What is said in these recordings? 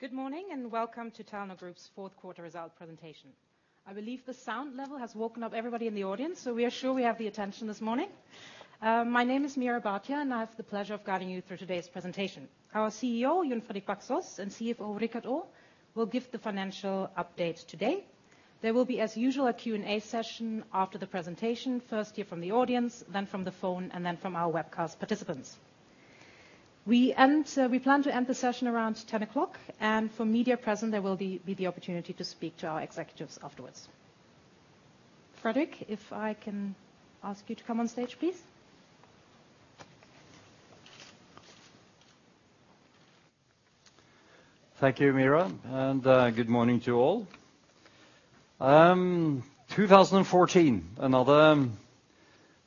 Good morning, and welcome to Telenor Group's fourth quarter result presentation. I believe the sound level has woken up everybody in the audience, so we are sure we have the attention this morning. My name is Meera Bhatia, and I have the pleasure of guiding you through today's presentation. Our CEO, Jon Fredrik Baksaas, and CFO, Richard Aa, will give the financial update today. There will be, as usual, a Q&A session after the presentation, first here from the audience, then from the phone, and then from our webcast participants. We plan to end the session around 10:00AM., and for media present, there will be the opportunity to speak to our executives afterwards. Fredrik, if I can ask you to come on stage, please. Thank you, Mira, and good morning to all. 2014, another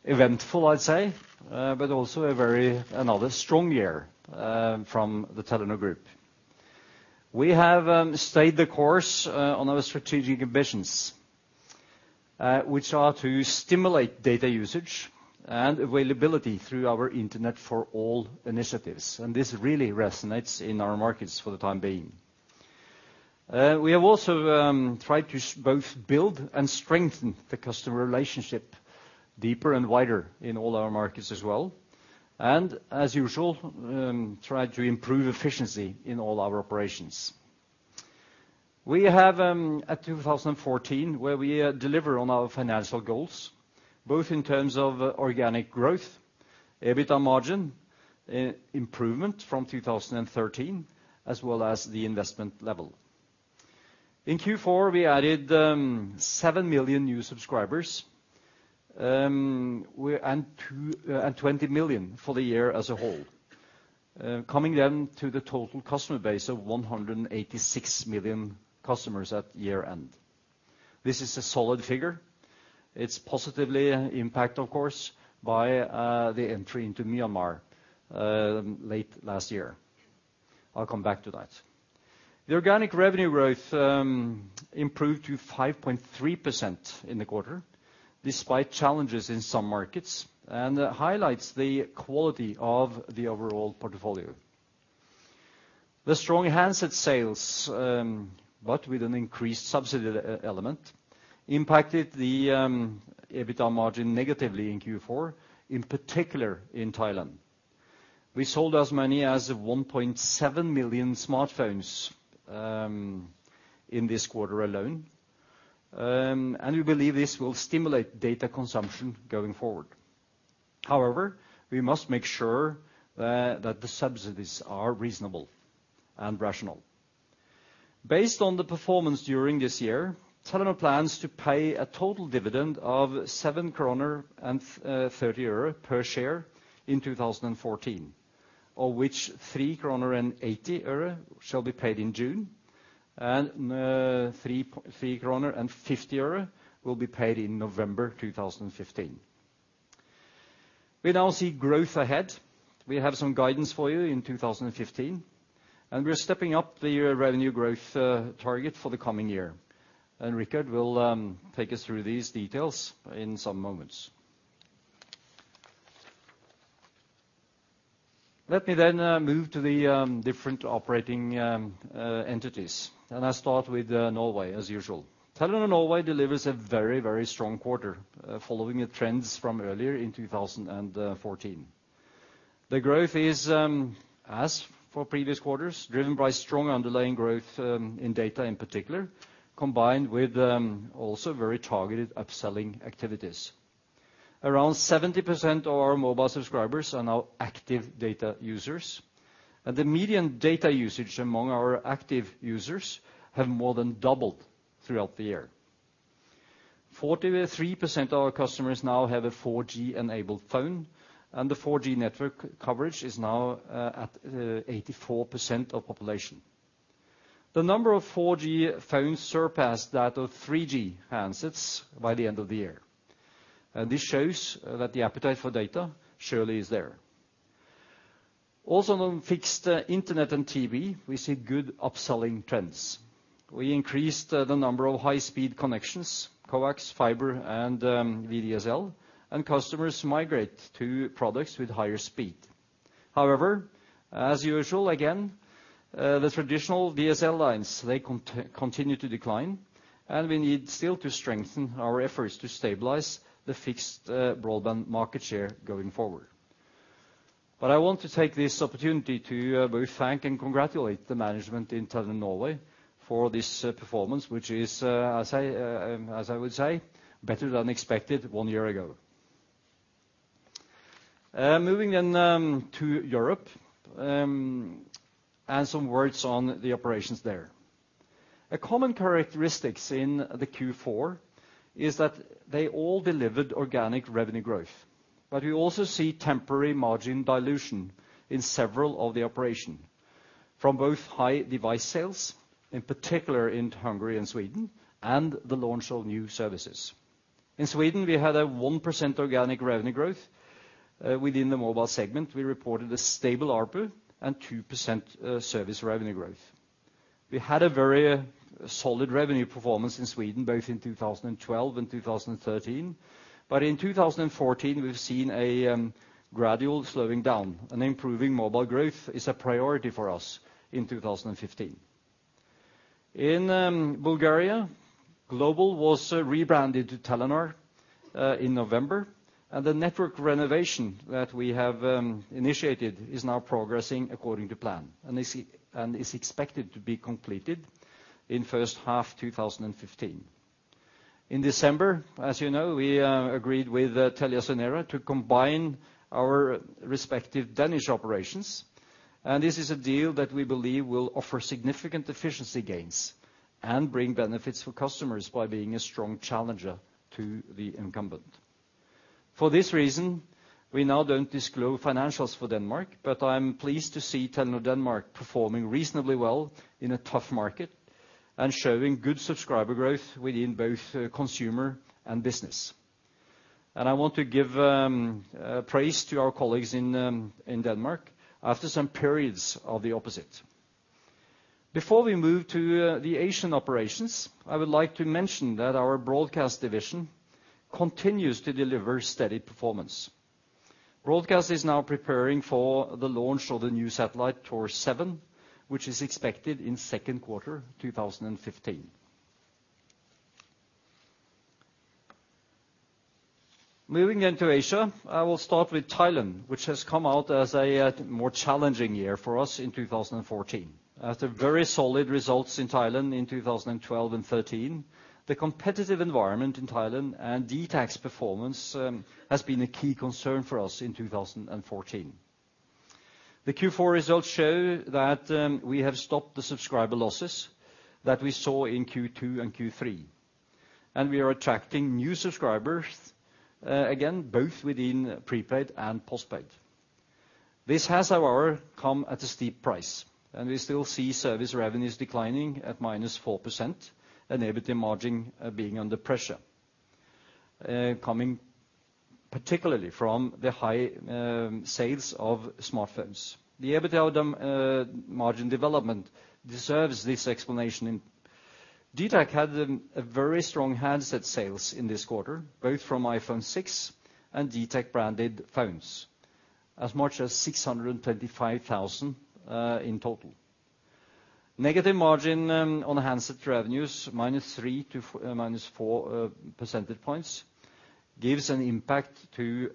eventful, I'd say, but also a very—another strong year from the Telenor Group. We have stayed the course on our strategic ambitions, which are to stimulate data usage and availability through our Internet For All initiatives, and this really resonates in our markets for the time being. We have also tried to both build and strengthen the customer relationship deeper and wider in all our markets as well, and, as usual, tried to improve efficiency in all our operations. We have a 2014, where we deliver on our financial goals, both in terms of organic growth, EBITDA margin, improvement from 2013, as well as the investment level. In Q4, we added 7 million new subscribers and 20 million for the year as a whole. Coming then to the total customer base of 186 million customers at year-end. This is a solid figure. It's positively impacted, of course, by the entry into Myanmar late last year. I'll come back to that. The organic revenue growth improved to 5.3% in the quarter, despite challenges in some markets, and it highlights the quality of the overall portfolio. The strong handset sales, but with an increased subsidy element, impacted the EBITDA margin negatively in Q4, in particular in Thailand. We sold as many as 1.7 million smartphones in this quarter alone, and we believe this will stimulate data consumption going forward. However, we must make sure that the subsidies are reasonable and rational. Based on the performance during this year, Telenor plans to pay a total dividend of NOK 7.30 per share in 2014, of which NOK 3.80 shall be paid in June, and NOK 3.50 will be paid in November 2015. We now see growth ahead. We have some guidance for you in 2015, and we're stepping up the revenue growth target for the coming year, and Richard will take us through these details in some moments. Let me then move to the different operating entities, and I start with Norway, as usual. Telenor Norway delivers a very, very strong quarter following the trends from earlier in 2014. The growth is, as for previous quarters, driven by strong underlying growth in data in particular, combined with also very targeted upselling activities. Around 70% of our mobile subscribers are now active data users, and the median data usage among our active users have more than doubled throughout the year. 43% of our customers now have a 4G-enabled phone, and the 4G network coverage is now at 84% of population. The number of 4G phones surpassed that of 3G handsets by the end of the year, and this shows that the appetite for data surely is there. Also, on fixed internet and TV, we see good upselling trends. We increased the number of high-speed connections, coax, fiber, and VDSL, and customers migrate to products with higher speed. However, as usual, again, the traditional DSL lines, they continue to decline, and we need still to strengthen our efforts to stabilize the fixed broadband market share going forward. But I want to take this opportunity to both thank and congratulate the management in Telenor Norway for this performance, which is, as I would say, better than expected one year ago. Moving then to Europe and some words on the operations there. A common characteristic in the Q4 is that they all delivered organic revenue growth, but we also see temporary margin dilution in several of the operation, from both high device sales, in particular in Hungary and Sweden, and the launch of new services. In Sweden, we had a 1% organic revenue growth. Within the mobile segment, we reported a stable ARPU and 2% service revenue growth. We had a very solid revenue performance in Sweden, both in 2012 and 2013, but in 2014, we've seen a gradual slowing down, and improving mobile growth is a priority for us in 2015. In Bulgaria, Globul was rebranded to Telenor in November, and the network renovation that we have initiated is now progressing according to plan, and is expected to be completed in first half 2015. In December, as you know, we agreed with TeliaSonera to combine our respective Danish operations, and this is a deal that we believe will offer significant efficiency gains and bring benefits for customers by being a strong challenger to the incumbent. For this reason, we now don't disclose financials for Denmark, but I'm pleased to see Telenor Denmark performing reasonably well in a tough market and showing good subscriber growth within both consumer and business. I want to give praise to our colleagues in Denmark, after some periods of the opposite. Before we move to the Asian operations, I would like to mention that our broadcast division continues to deliver steady performance. Broadcast is now preparing for the launch of the new satellite, Thor 7, which is expected in second quarter 2015. Moving into Asia, I will start with Thailand, which has come out as a more challenging year for us in 2014. After very solid results in Thailand in 2012 and 13, the competitive environment in Thailand and dtac's performance has been a key concern for us in 2014. The Q4 results show that we have stopped the subscriber losses that we saw in Q2 and Q3, and we are attracting new subscribers again, both within prepaid and postpaid. This has, however, come at a steep price, and we still see service revenues declining at -4% and EBITDA margin being under pressure, coming particularly from the high sales of smartphones. The EBITDA margin development deserves this explanation. dtac had a very strong handset sales in this quarter, both from iPhone 6 and dtac-branded phones, as much as 625,000 in total. Negative margin on the handset revenues, -3 to -4 percentage points, gives an impact to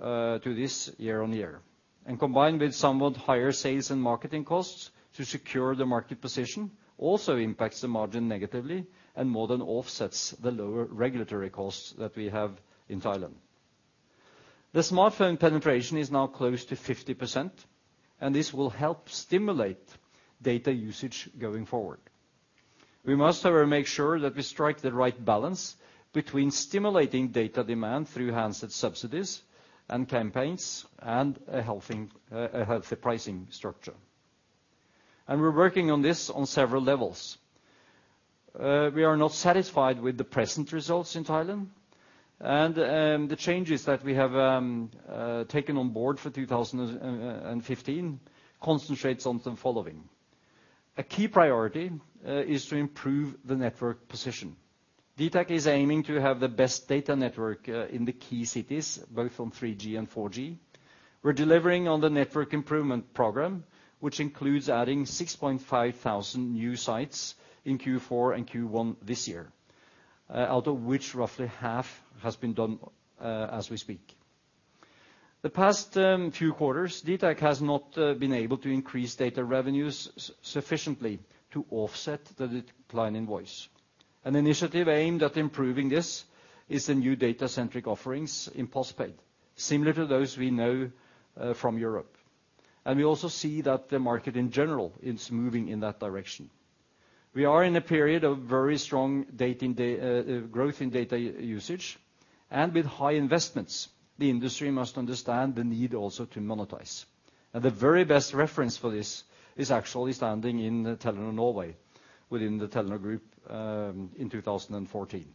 this year-on-year. And combined with somewhat higher sales and marketing costs to secure the market position, also impacts the margin negatively and more than offsets the lower regulatory costs that we have in Thailand. The smartphone penetration is now close to 50%, and this will help stimulate data usage going forward. We must, however, make sure that we strike the right balance between stimulating data demand through handset subsidies and campaigns and a healthy pricing structure. And we're working on this on several levels. We are not satisfied with the present results in Thailand, and the changes that we have taken on board for 2015 concentrates on the following. A key priority is to improve the network position. dtac is aiming to have the best data network in the key cities, both on 3G and 4G. We're delivering on the network improvement program, which includes adding 6,500 new sites in Q4 and Q1 this year, out of which roughly half has been done as we speak. The past few quarters, dtac has not been able to increase data revenues sufficiently to offset the decline in voice. An initiative aimed at improving this is the new data-centric offerings in postpaid, similar to those we know from Europe. We also see that the market, in general, is moving in that direction. We are in a period of very strong growth in data usage, and with high investments, the industry must understand the need also to monetize. The very best reference for this is actually standing in Telenor Norway within the Telenor Group in 2014.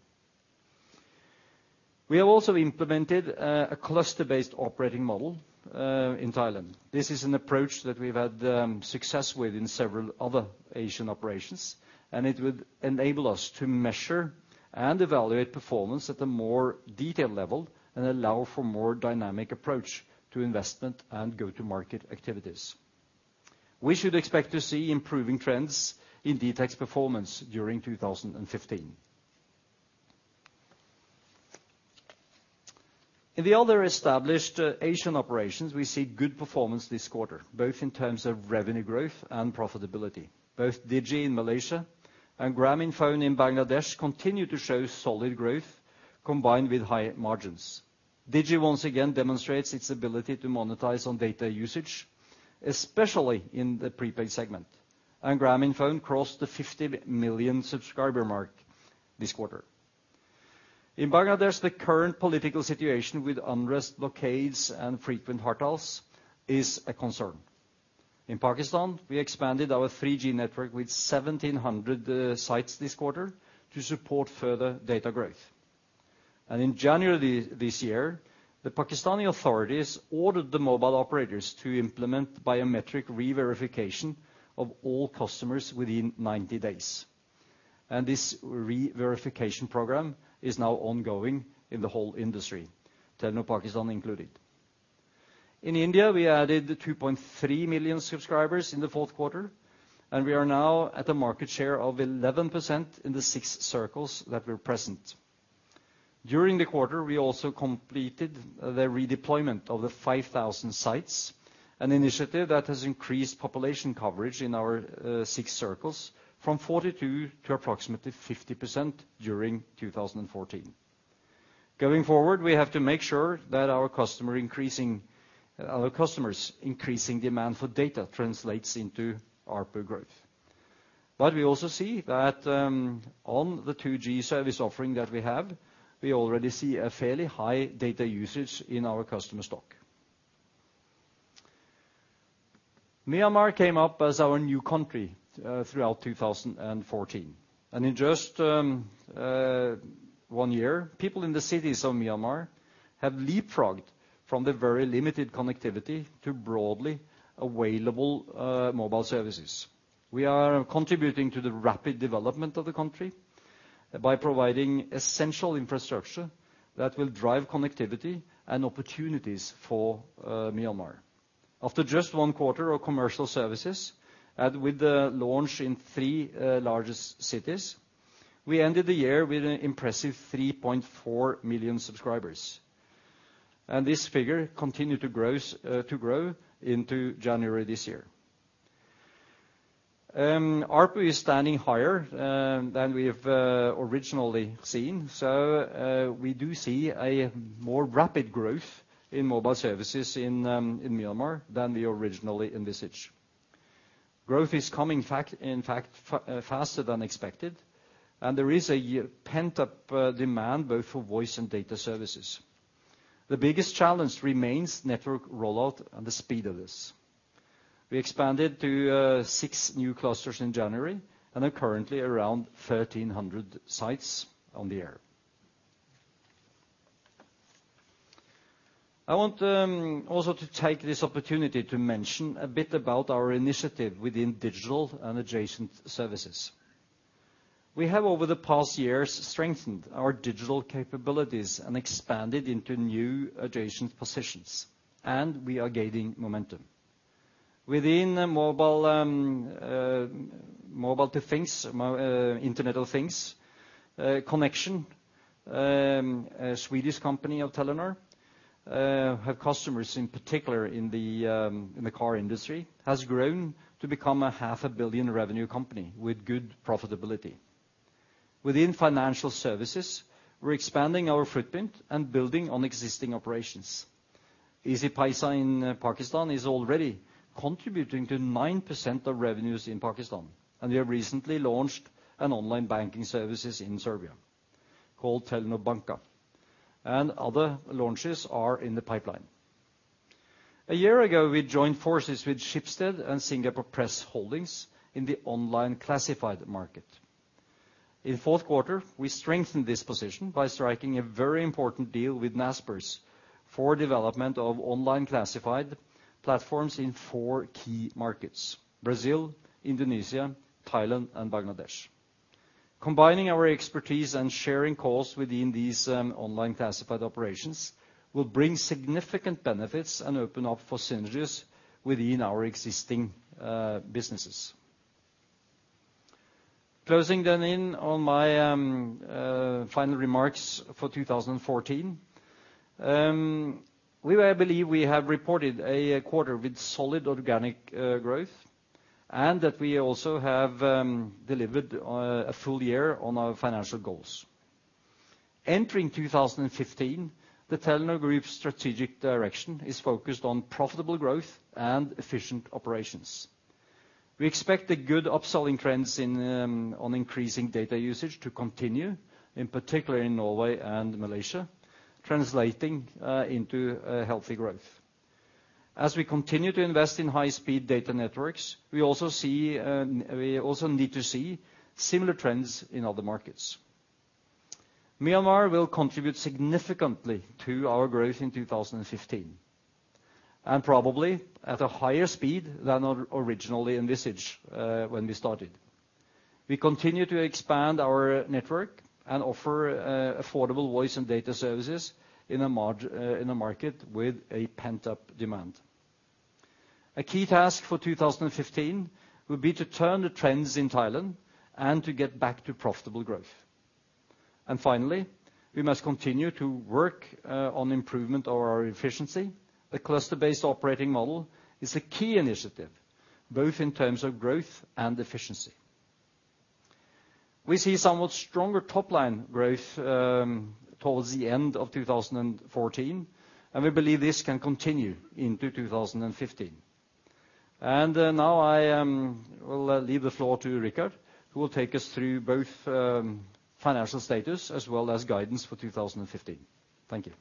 We have also implemented a cluster-based operating model in Thailand. This is an approach that we've had success with in several other Asian operations, and it would enable us to measure and evaluate performance at a more detailed level and allow for more dynamic approach to investment and go-to-market activities. We should expect to see improving trends in dtac's performance during 2015. In the other established Asian operations, we see good performance this quarter, both in terms of revenue growth and profitability. Both Digi in Malaysia and Grameenphone in Bangladesh continue to show solid growth combined with high margins. Digi, once again, demonstrates its ability to monetize on data usage, especially in the prepaid segment, and Grameenphone crossed the 50 million subscriber mark this quarter. In Bangladesh, the current political situation with unrest, blockades, and frequent hartals is a concern. In Pakistan, we expanded our 3G network with 1,700 sites this quarter to support further data growth. And in January, this year, the Pakistani authorities ordered the mobile operators to implement biometric re-verification of all customers within 90 days. This re-verification program is now ongoing in the whole industry, Telenor Pakistan included. In India, we added 2.3 million subscribers in the fourth quarter, and we are now at a market share of 11% in the six circles that we're present. During the quarter, we also completed the redeployment of the 5,000 sites, an initiative that has increased population coverage in our six circles from 42 to approximately 50% during 2014. Going forward, we have to make sure that our customers' increasing demand for data translates into ARPU growth. But we also see that on the 2G service offering that we have, we already see a fairly high data usage in our customer stock. Myanmar came up as our new country throughout 2014, and in just 1 year, people in the cities of Myanmar have leapfrogged from the very limited connectivity to broadly available mobile services. We are contributing to the rapid development of the country by providing essential infrastructure that will drive connectivity and opportunities for Myanmar. After just 1 quarter of commercial services, and with the launch in 3 largest cities, we ended the year with an impressive 3.4 million subscribers, and this figure continued to grow into January this year. ARPU is standing higher than we have originally seen, so we do see a more rapid growth in mobile services in Myanmar than we originally envisaged. Growth is coming, in fact, faster than expected, and there is a pent-up demand both for voice and data services. The biggest challenge remains network rollout and the speed of this. We expanded to six new clusters in January and are currently around 1,300 sites on the air. I want also to take this opportunity to mention a bit about our initiative within digital and adjacent services. We have, over the past years, strengthened our digital capabilities and expanded into new adjacent positions, and we are gaining momentum. Within the mobile Internet of Things, Connexion, a Swedish company of Telenor, have customers in particular in the car industry, has grown to become a 500 million revenue company with good profitability. Within financial services, we're expanding our footprint and building on existing operations. Easypaisa in Pakistan is already contributing to 9% of revenues in Pakistan, and we have recently launched an online banking services in Serbia called Telenor Banka, and other launches are in the pipeline. A year ago, we joined forces with Schibsted and Singapore Press Holdings in the online classified market. In fourth quarter, we strengthened this position by striking a very important deal with Naspers for development of online classified platforms in four key markets: Brazil, Indonesia, Thailand, and Bangladesh. Combining our expertise and sharing costs within these online classified operations will bring significant benefits and open up for synergies within our existing businesses. Closing then in on my final remarks for 2014, I believe we have reported a quarter with solid organic growth, and that we also have delivered a full year on our financial goals. Entering 2015, the Telenor Group's strategic direction is focused on profitable growth and efficient operations. We expect the good upselling trends in on increasing data usage to continue, in particular in Norway and Malaysia, translating into a healthy growth. As we continue to invest in high-speed data networks, we also need to see similar trends in other markets. Myanmar will contribute significantly to our growth in 2015, and probably at a higher speed than originally envisaged, when we started. We continue to expand our network and offer affordable voice and data services in a market with a pent-up demand. A key task for 2015 will be to turn the trends in Thailand and to get back to profitable growth. And finally, we must continue to work on improvement of our efficiency. The cluster-based operating model is a key initiative, both in terms of growth and efficiency. We see somewhat stronger top-line growth towards the end of 2014, and we believe this can continue into 2015. And now I will leave the floor to Rikard, who will take us through both financial status as well as guidance for 2015. Thank you.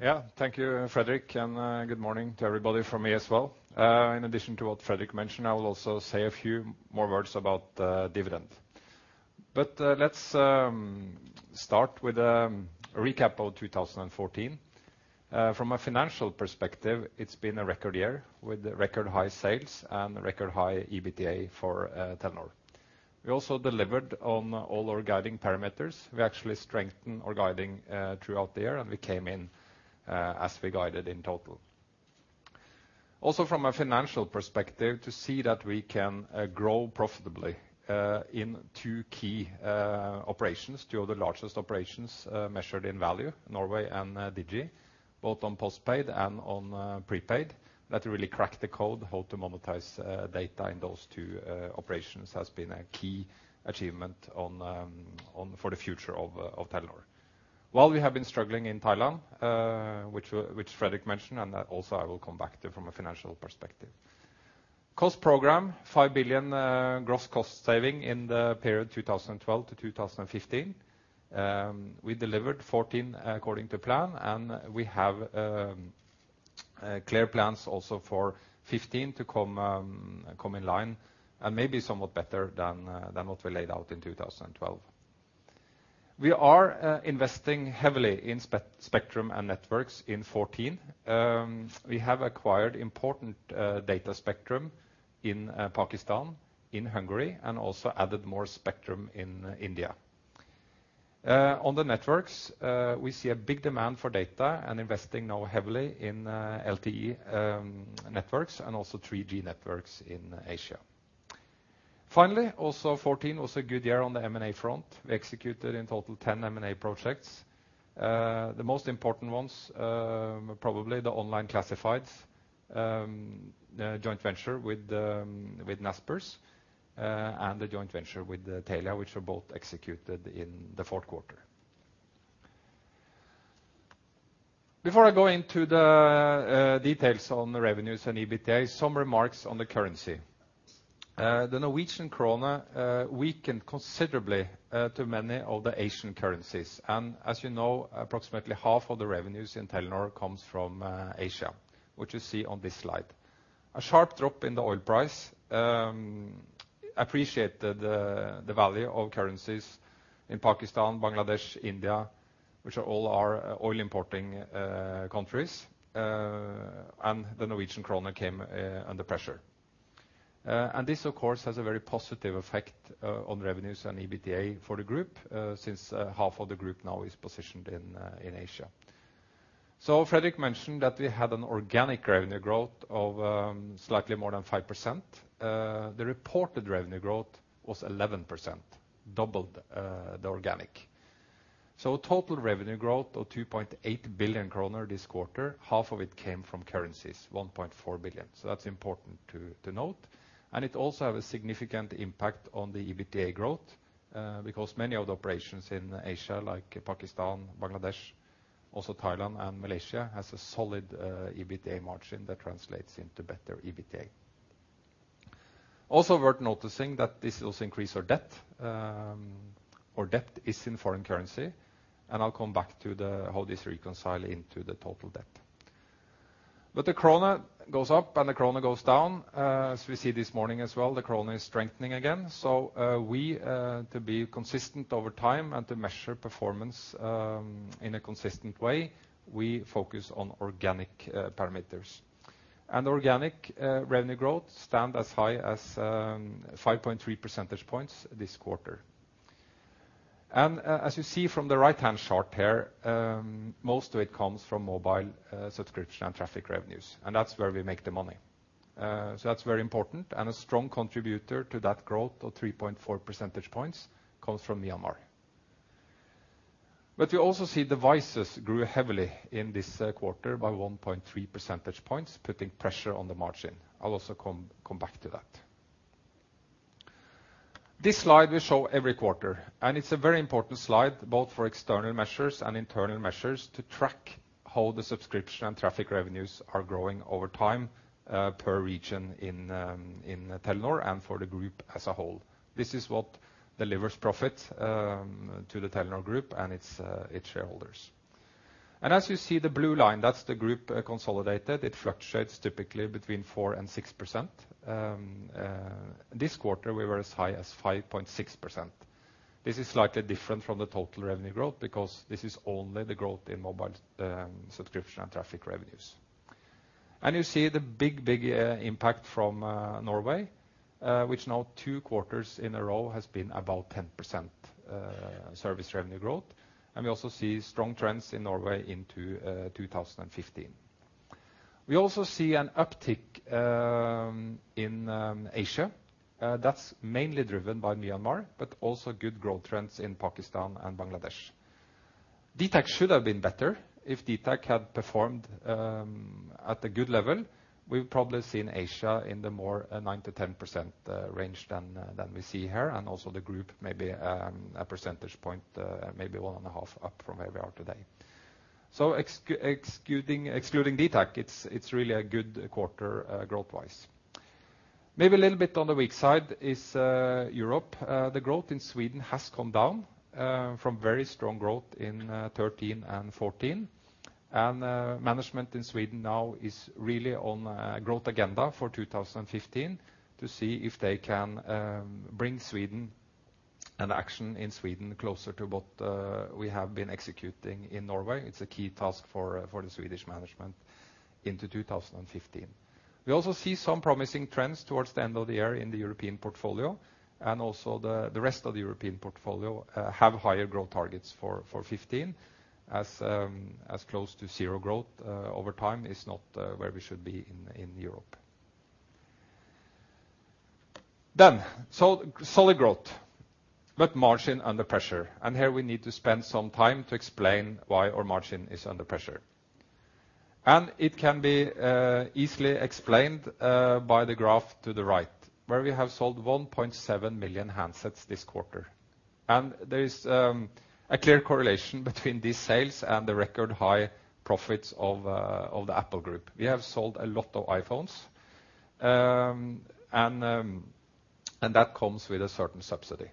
Yeah. Thank you, Fredrik, and good morning to everybody from me as well. In addition to what Fredrik mentioned, I will also say a few more words about dividend. But let's start with a recap of 2014.... From a financial perspective, it's been a record year, with record high sales and record high EBITDA for Telenor. We also delivered on all our guiding parameters. We actually strengthened our guiding throughout the year, and we came in as we guided in total. Also, from a financial perspective, to see that we can grow profitably in two key operations, two of the largest operations measured in value, Norway and Digi, both on postpaid and on prepaid, that really cracked the code how to monetize data in those two operations has been a key achievement on for the future of Telenor. While we have been struggling in Thailand, which Fredrik mentioned, and that also I will come back to from a financial perspective. Cost program, 5 billion gross cost saving in the period 2012-2015. We delivered 14 according to plan, and we have clear plans also for 2015 to come in line, and maybe somewhat better than what we laid out in 2012. We are investing heavily in spectrum and networks in 2014. We have acquired important data spectrum in Pakistan, in Hungary, and also added more spectrum in India. On the networks, we see a big demand for data and investing now heavily in LTE networks and also 3G networks in Asia. Finally, also 2014 was a good year on the M&A front. We executed in total 10 M&A projects. The most important ones, probably the online classifieds, the joint venture with Naspers, and the joint venture with Telia, which were both executed in the fourth quarter. Before I go into the details on the revenues and EBITDA, some remarks on the currency. The Norwegian krone weakened considerably to many of the Asian currencies, and as you know, approximately half of the revenues in Telenor comes from Asia, which you see on this slide. A sharp drop in the oil price appreciated the value of currencies in Pakistan, Bangladesh, India, which are all oil-importing countries, and the Norwegian krone came under pressure. And this of course has a very positive effect on revenues and EBITDA for the group, since half of the group now is positioned in Asia. So Fredrik mentioned that we had an organic revenue growth of slightly more than 5%. The reported revenue growth was 11%, double the organic. So total revenue growth of 2.8 billion kroner this quarter, half of it came from currencies, 1.4 billion. So that's important to note. And it also have a significant impact on the EBITDA growth, because many of the operations in Asia, like Pakistan, Bangladesh, also Thailand and Malaysia, has a solid EBITDA margin that translates into better EBITDA. Also worth noticing that this also increase our debt. Our debt is in foreign currency, and I'll come back to the how this reconcile into the total debt. But the krone goes up, and the krone goes down. As we see this morning as well, the krone is strengthening again. So, to be consistent over time and to measure performance, in a consistent way, we focus on organic parameters. And organic revenue growth stand as high as 5.3 percentage points this quarter. And, as you see from the right-hand chart here, most of it comes from mobile subscription and traffic revenues, and that's where we make the money. So that's very important, and a strong contributor to that growth of 3.4 percentage points comes from Myanmar. But you also see devices grew heavily in this quarter by 1.3 percentage points, putting pressure on the margin. I'll also come back to that. This slide we show every quarter, and it's a very important slide, both for external measures and internal measures, to track how the subscription and traffic revenues are growing over time per region in Telenor and for the group as a whole. This is what delivers profit to the Telenor group and its shareholders. And as you see, the blue line, that's the group consolidated. It fluctuates typically between 4%-6%. This quarter, we were as high as 5.6%. This is slightly different from the total revenue growth, because this is only the growth in mobile subscription and traffic revenues. You see the big, big, impact from, Norway, which now two quarters in a row has been about 10% service revenue growth. And we also see strong trends in Norway into 2015. We also see an uptick in Asia, that's mainly driven by Myanmar, but also good growth trends in Pakistan and Bangladesh. dtac should have been better. If dtac had performed at a good level, we've probably seen Asia in the more 9%-10% range than we see here, and also the group, maybe a percentage point, maybe one and a half up from where we are today. So excluding dtac, it's really a good quarter growth-wise. Maybe a little bit on the weak side is Europe. The growth in Sweden has come down from very strong growth in 2013 and 2014, and management in Sweden now is really on a growth agenda for 2015 to see if they can bring and action in Sweden closer to what we have been executing in Norway. It's a key task for the Swedish management into 2015. We also see some promising trends towards the end of the year in the European portfolio, and also the rest of the European portfolio have higher growth targets for 2015 as close to zero growth over time is not where we should be in Europe. So solid growth, but margin under pressure, and here we need to spend some time to explain why our margin is under pressure. It can be easily explained by the graph to the right, where we have sold 1.7 million handsets this quarter. There is a clear correlation between these sales and the record high profits of the Apple group. We have sold a lot of iPhones, and that comes with a certain subsidy.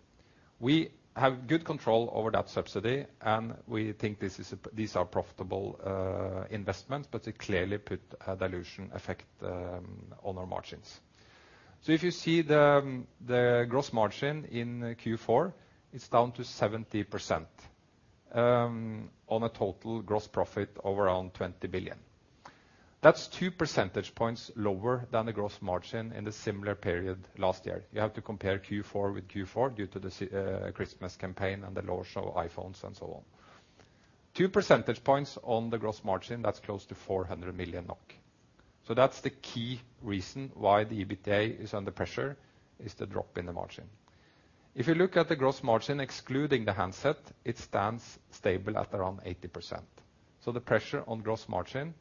We have good control over that subsidy, and we think these are profitable investments, but it clearly put a dilution effect on our margins. So if you see the gross margin in Q4, it's down to 70% on a total gross profit of around 20 billion. That's two percentage points lower than the gross margin in the similar period last year. You have to compare Q4 with Q4 due to the Christmas campaign and the launch of iPhones and so on. Two percentage points on the gross margin, that's close to 400 million NOK. So that's the key reason why the EBITDA is under pressure, is the drop in the margin. If you look at the gross margin excluding the handset, it stands stable at around 80%. So the pressure on gross margin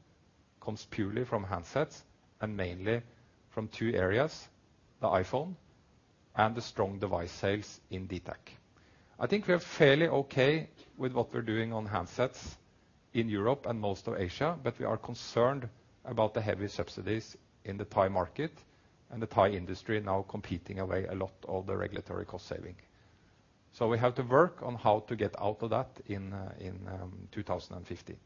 comes purely from handsets and mainly from two areas, the iPhone and the strong device sales in dtac. I think we are fairly okay with what we're doing on handsets in Europe and most of Asia, but we are concerned about the heavy subsidies in the Thai market and the Thai industry now competing away a lot of the regulatory cost saving. So we have to work on how to get out of that in 2015.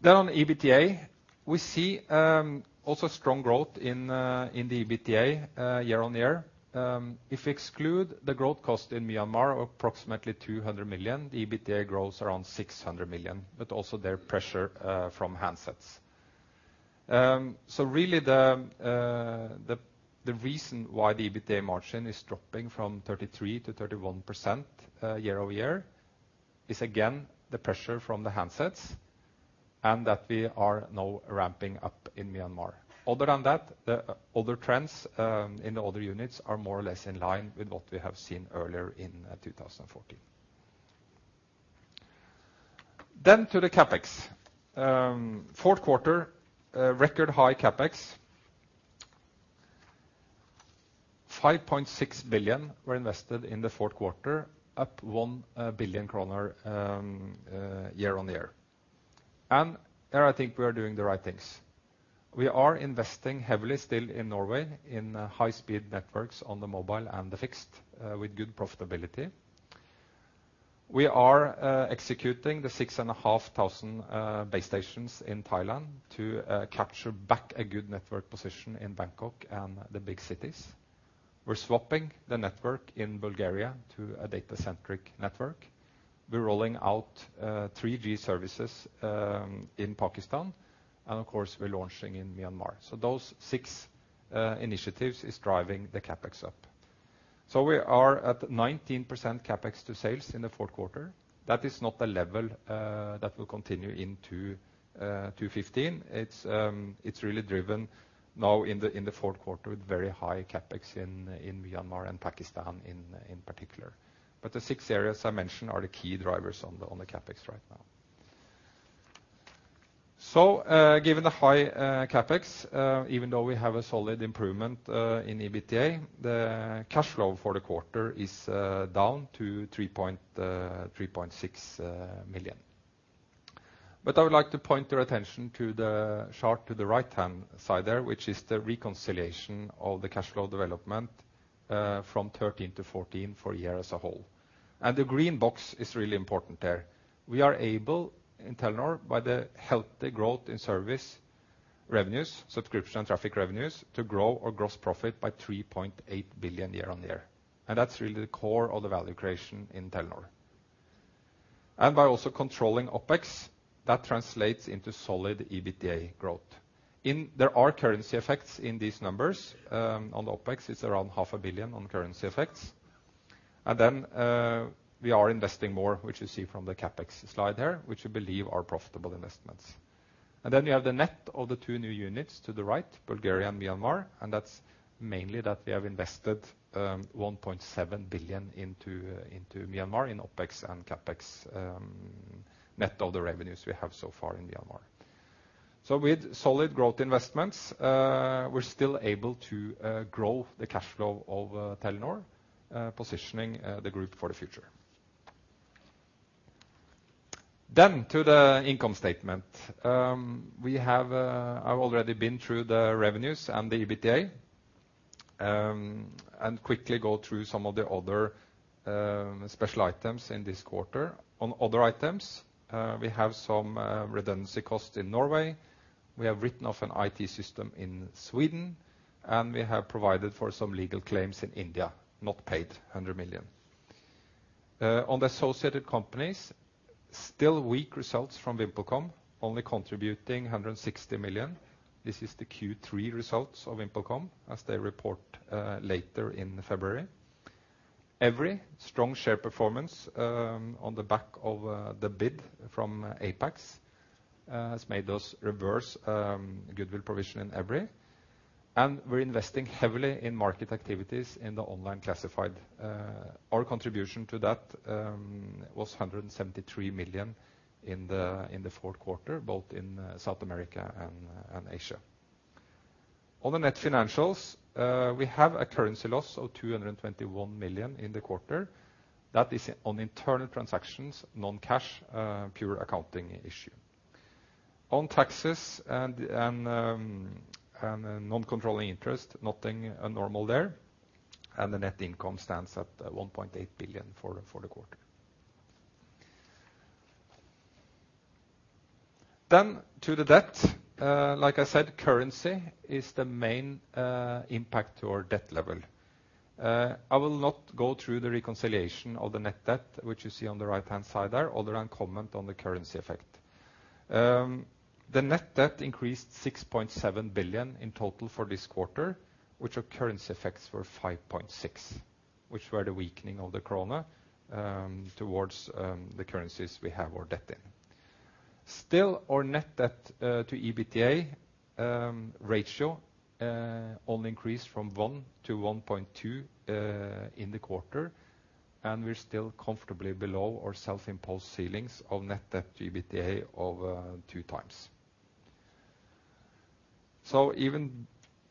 Then on EBITDA, we see also strong growth in the EBITDA year-over-year. If we exclude the growth cost in Myanmar, approximately 200 million, the EBITDA grows around 600 million, but also there are pressure from handsets. So really the reason why the EBITDA margin is dropping from 33%-31% year-over-year is again, the pressure from the handsets and that we are now ramping up in Myanmar. Other than that, the other trends in the other units are more or less in line with what we have seen earlier in 2014. Then to the CapEx. Fourth quarter, record high CapEx, 5.6 billion were invested in the fourth quarter, up 1 billion kroner year-on-year. There, I think we are doing the right things. We are investing heavily still in Norway, in high-speed networks on the mobile and the fixed with good profitability. We are executing the 6,500 base stations in Thailand to capture back a good network position in Bangkok and the big cities. We're swapping the network in Bulgaria to a data-centric network. We're rolling out 3G services in Pakistan, and of course, we're launching in Myanmar. So those 6 initiatives is driving the CapEx up. So we are at 19% CapEx to sales in the fourth quarter. That is not the level that will continue into 2015. It's really driven now in the fourth quarter with very high CapEx in Myanmar and Pakistan, in particular. But the six areas I mentioned are the key drivers on the CapEx right now. So, given the high CapEx, even though we have a solid improvement in EBITDA, the cash flow for the quarter is down to 3.6 million. But I would like to point your attention to the chart to the right-hand side there, which is the reconciliation of the cash flow development from 2013 to 2014 for a year as a whole. And the green box is really important there. We are able, in Telenor, by the healthy growth in service revenues, subscription and traffic revenues, to grow our gross profit by 3.8 billion year-on-year. That's really the core of the value creation in Telenor. By also controlling OpEx, that translates into solid EBITDA growth. There are currency effects in these numbers. On the OpEx, it's around 500 million on currency effects. Then we are investing more, which you see from the CapEx slide there, which we believe are profitable investments. Then you have the net of the two new units to the right, Bulgaria and Myanmar, and that's mainly that we have invested 1.7 billion into Myanmar in OpEx and CapEx, net of the revenues we have so far in Myanmar. With solid growth investments, we're still able to grow the cash flow of Telenor, positioning the group for the future. To the income statement. We have. I've already been through the revenues and the EBITDA, and quickly go through some of the other special items in this quarter. On other items, we have some redundancy costs in Norway. We have written off an IT system in Sweden, and we have provided for some legal claims in India, not paid, 100 million. On the associated companies, still weak results from VimpelCom, only contributing 160 million. This is the Q3 results of VimpelCom, as they report later in February. Evry strong share performance, on the back of the bid from Apax, has made us reverse goodwill provision in Evry, and we're investing heavily in market activities in the online classified. Our contribution to that was 173 million in the fourth quarter, both in South America and Asia. On the net financials, we have a currency loss of 221 million in the quarter. That is on internal transactions, non-cash, pure accounting issue. On taxes and non-controlling interest, nothing abnormal there, and the net income stands at 1.8 billion for the quarter. Then to the debt. Like I said, currency is the main impact to our debt level. I will not go through the reconciliation of the net debt, which you see on the right-hand side there, other than comment on the currency effect. The net debt increased 6.7 billion in total for this quarter, which our currency effects were 5.6 billion, which were the weakening of the krona towards the currencies we have our debt in. Still, our net debt to EBITDA ratio only increased from 1:1.2 in the quarter, and we're still comfortably below our self-imposed ceilings of net debt to EBITDA of 2x. So even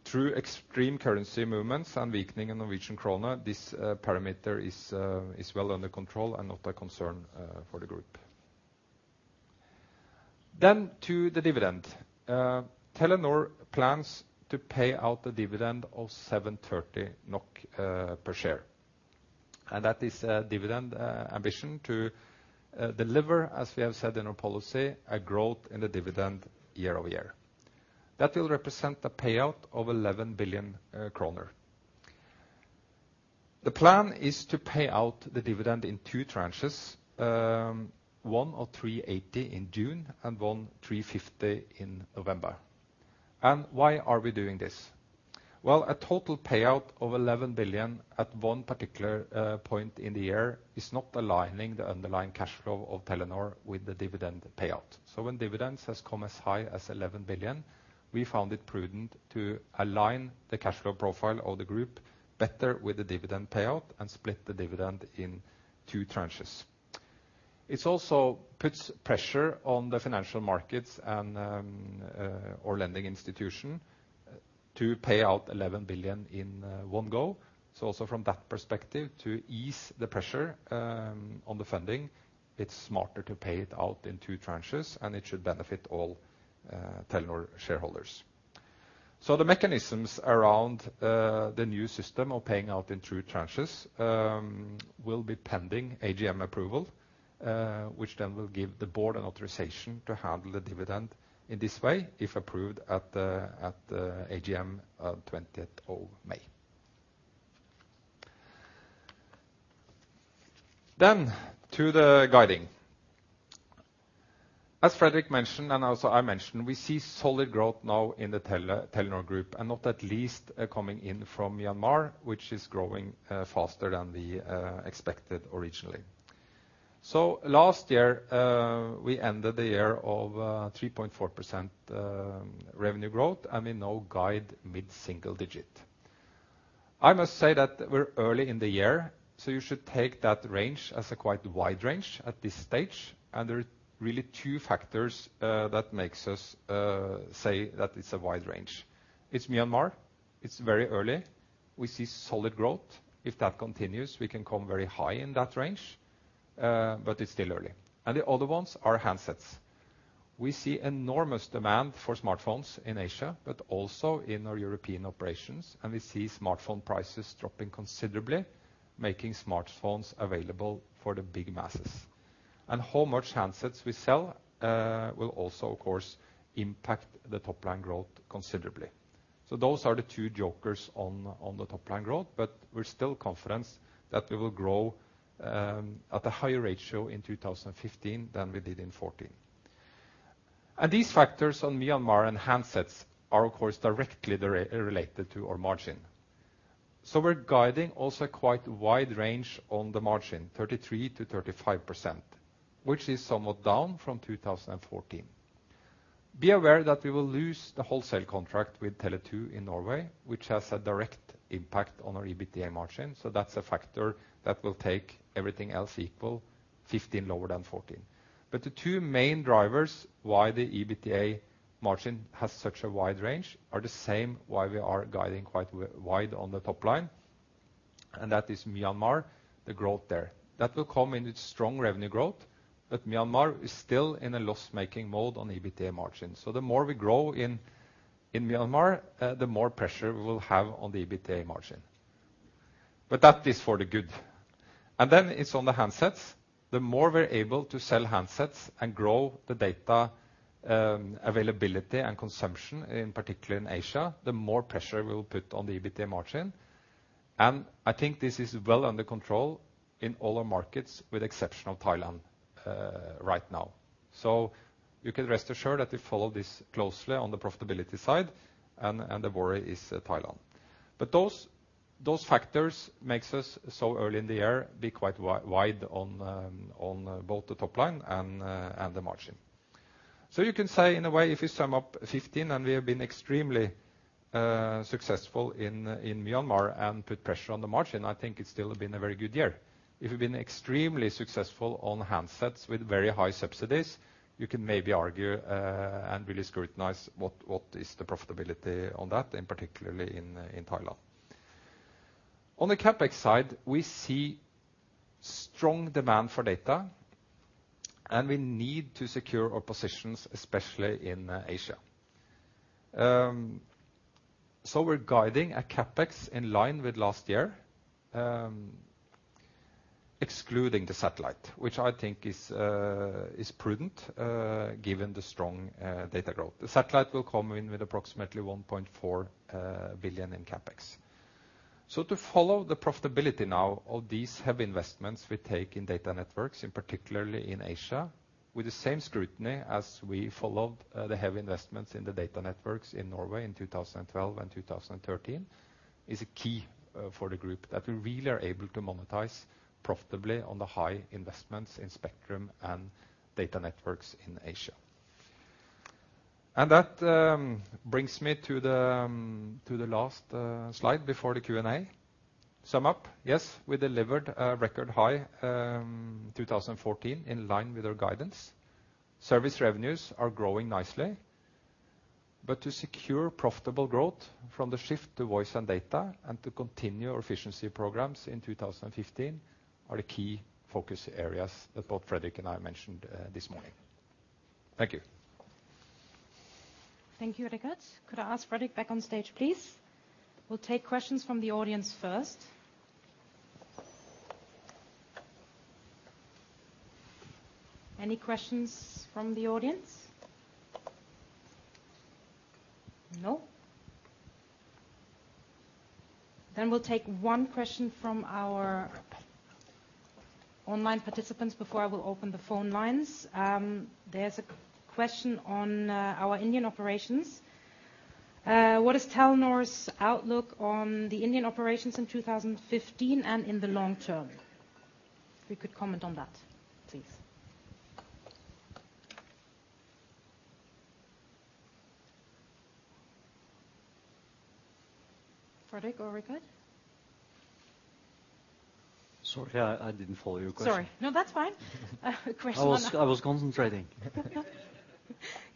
through extreme currency movements and weakening in Norwegian krona, this parameter is well under control and not a concern for the group. Then to the dividend. Telenor plans to pay out a dividend of 7.30 NOK per share, and that is a dividend ambition to deliver, as we have said in our policy, a growth in the dividend year-over-year. That will represent a payout of 11 billion kroner. The plan is to pay out the dividend in two tranches, one of 3.80 in June and one 3.50 in November. And why are we doing this? Well, a total payout of 11 billion at one particular point in the year is not aligning the underlying cash flow of Telenor with the dividend payout. So when dividends has come as high as 11 billion, we found it prudent to align the cash flow profile of the group better with the dividend payout and split the dividend in two tranches. It also puts pressure on the financial markets and our lending institution to pay out 11 billion in one go. So also from that perspective, to ease the pressure on the funding, it's smarter to pay it out in two tranches, and it should benefit all Telenor shareholders. So the mechanisms around the new system of paying out in two tranches will be pending AGM approval, which then will give the board an authorization to handle the dividend in this way, if approved at the AGM on twentieth of May. Then to the guiding. As Fredrik mentioned, and also I mentioned, we see solid growth now in the Telenor group, and not least coming in from Myanmar, which is growing faster than we expected originally. So last year we ended the year of 3.4% revenue growth, and we now guide mid-single digit. I must say that we're early in the year, so you should take that range as a quite wide range at this stage, and there are really two factors that makes us say that it's a wide range. It's Myanmar; it's very early. We see solid growth. If that continues, we can come very high in that range, but it's still early, and the other ones are handsets. We see enormous demand for smartphones in Asia, but also in our European operations, and we see smartphone prices dropping considerably, making smartphones available for the big masses. And how much handsets we sell will also, of course, impact the top line growth considerably. Those are the two jokers on the top line growth, but we're still confident that we will grow at a higher ratio in 2015 than we did in 2014. These factors on Myanmar and handsets are, of course, directly related to our margin. We're guiding also a quite wide range on the margin, 33%-35%, which is somewhat down from 2014. Be aware that we will lose the wholesale contract with Tele2 in Norway, which has a direct impact on our EBITDA margin, so that's a factor that will take everything else equal, 1.5% lower than 2014. But the two main drivers why the EBITDA margin has such a wide range are the same why we are guiding quite wide on the top line, and that is Myanmar, the growth there. That will come in with strong revenue growth, but Myanmar is still in a loss-making mode on EBITDA margin. So the more we grow in Myanmar, the more pressure we will have on the EBITDA margin. But that is for the good. And then it's on the handset the more we're able to sell handsets and grow the data availability and consumption, in particular in Asia, the more pressure we will put on the EBITDA margin. And I think this is well under control in all our markets, with exception of Thailand, right now. So you can rest assured that we follow this closely on the profitability side, and the worry is Thailand. But those factors makes us, so early in the year, be quite wide on both the top line and the margin. So you can say, in a way, if you sum up 15, and we have been extremely successful in Myanmar and put pressure on the margin, I think it's still been a very good year. If we've been extremely successful on handsets with very high subsidies, you can maybe argue and really scrutinize what is the profitability on that, and particularly in Thailand. On the CapEx side, we see strong demand for data, and we need to secure our positions, especially in Asia. So we're guiding a CapEx in line with last year, excluding the satellite, which I think is prudent, given the strong data growth. The satellite will come in with approximately 1.4 billion in CapEx. So to follow the profitability now of these heavy investments we take in data networks, in particular in Asia, with the same scrutiny as we followed the heavy investments in the data networks in Norway in 2012 and 2013, is a key for the group, that we really are able to monetize profitably on the high investments in spectrum and data networks in Asia. And that brings me to the last slide before the Q&A. Sum up, yes, we delivered a record high 2014, in line with our guidance. Service revenues are growing nicely, but to secure profitable growth from the shift to voice and data and to continue our efficiency programs in 2015 are the key focus areas that both Fredrik and I mentioned this morning. Thank you. Thank you, Rikard. Could I ask Fredrik back on stage, please? We'll take questions from the audience first. Any questions from the audience? No. Then we'll take one question from our online participants before I will open the phone lines. There's a question on our Indian operations. What is Telenor's outlook on the Indian operations in 2015 and in the long term? If you could comment on that, please. Fredrik or Rikard? Sorry, I didn't follow your question. Sorry. No, that's fine. A question on the- I was concentrating.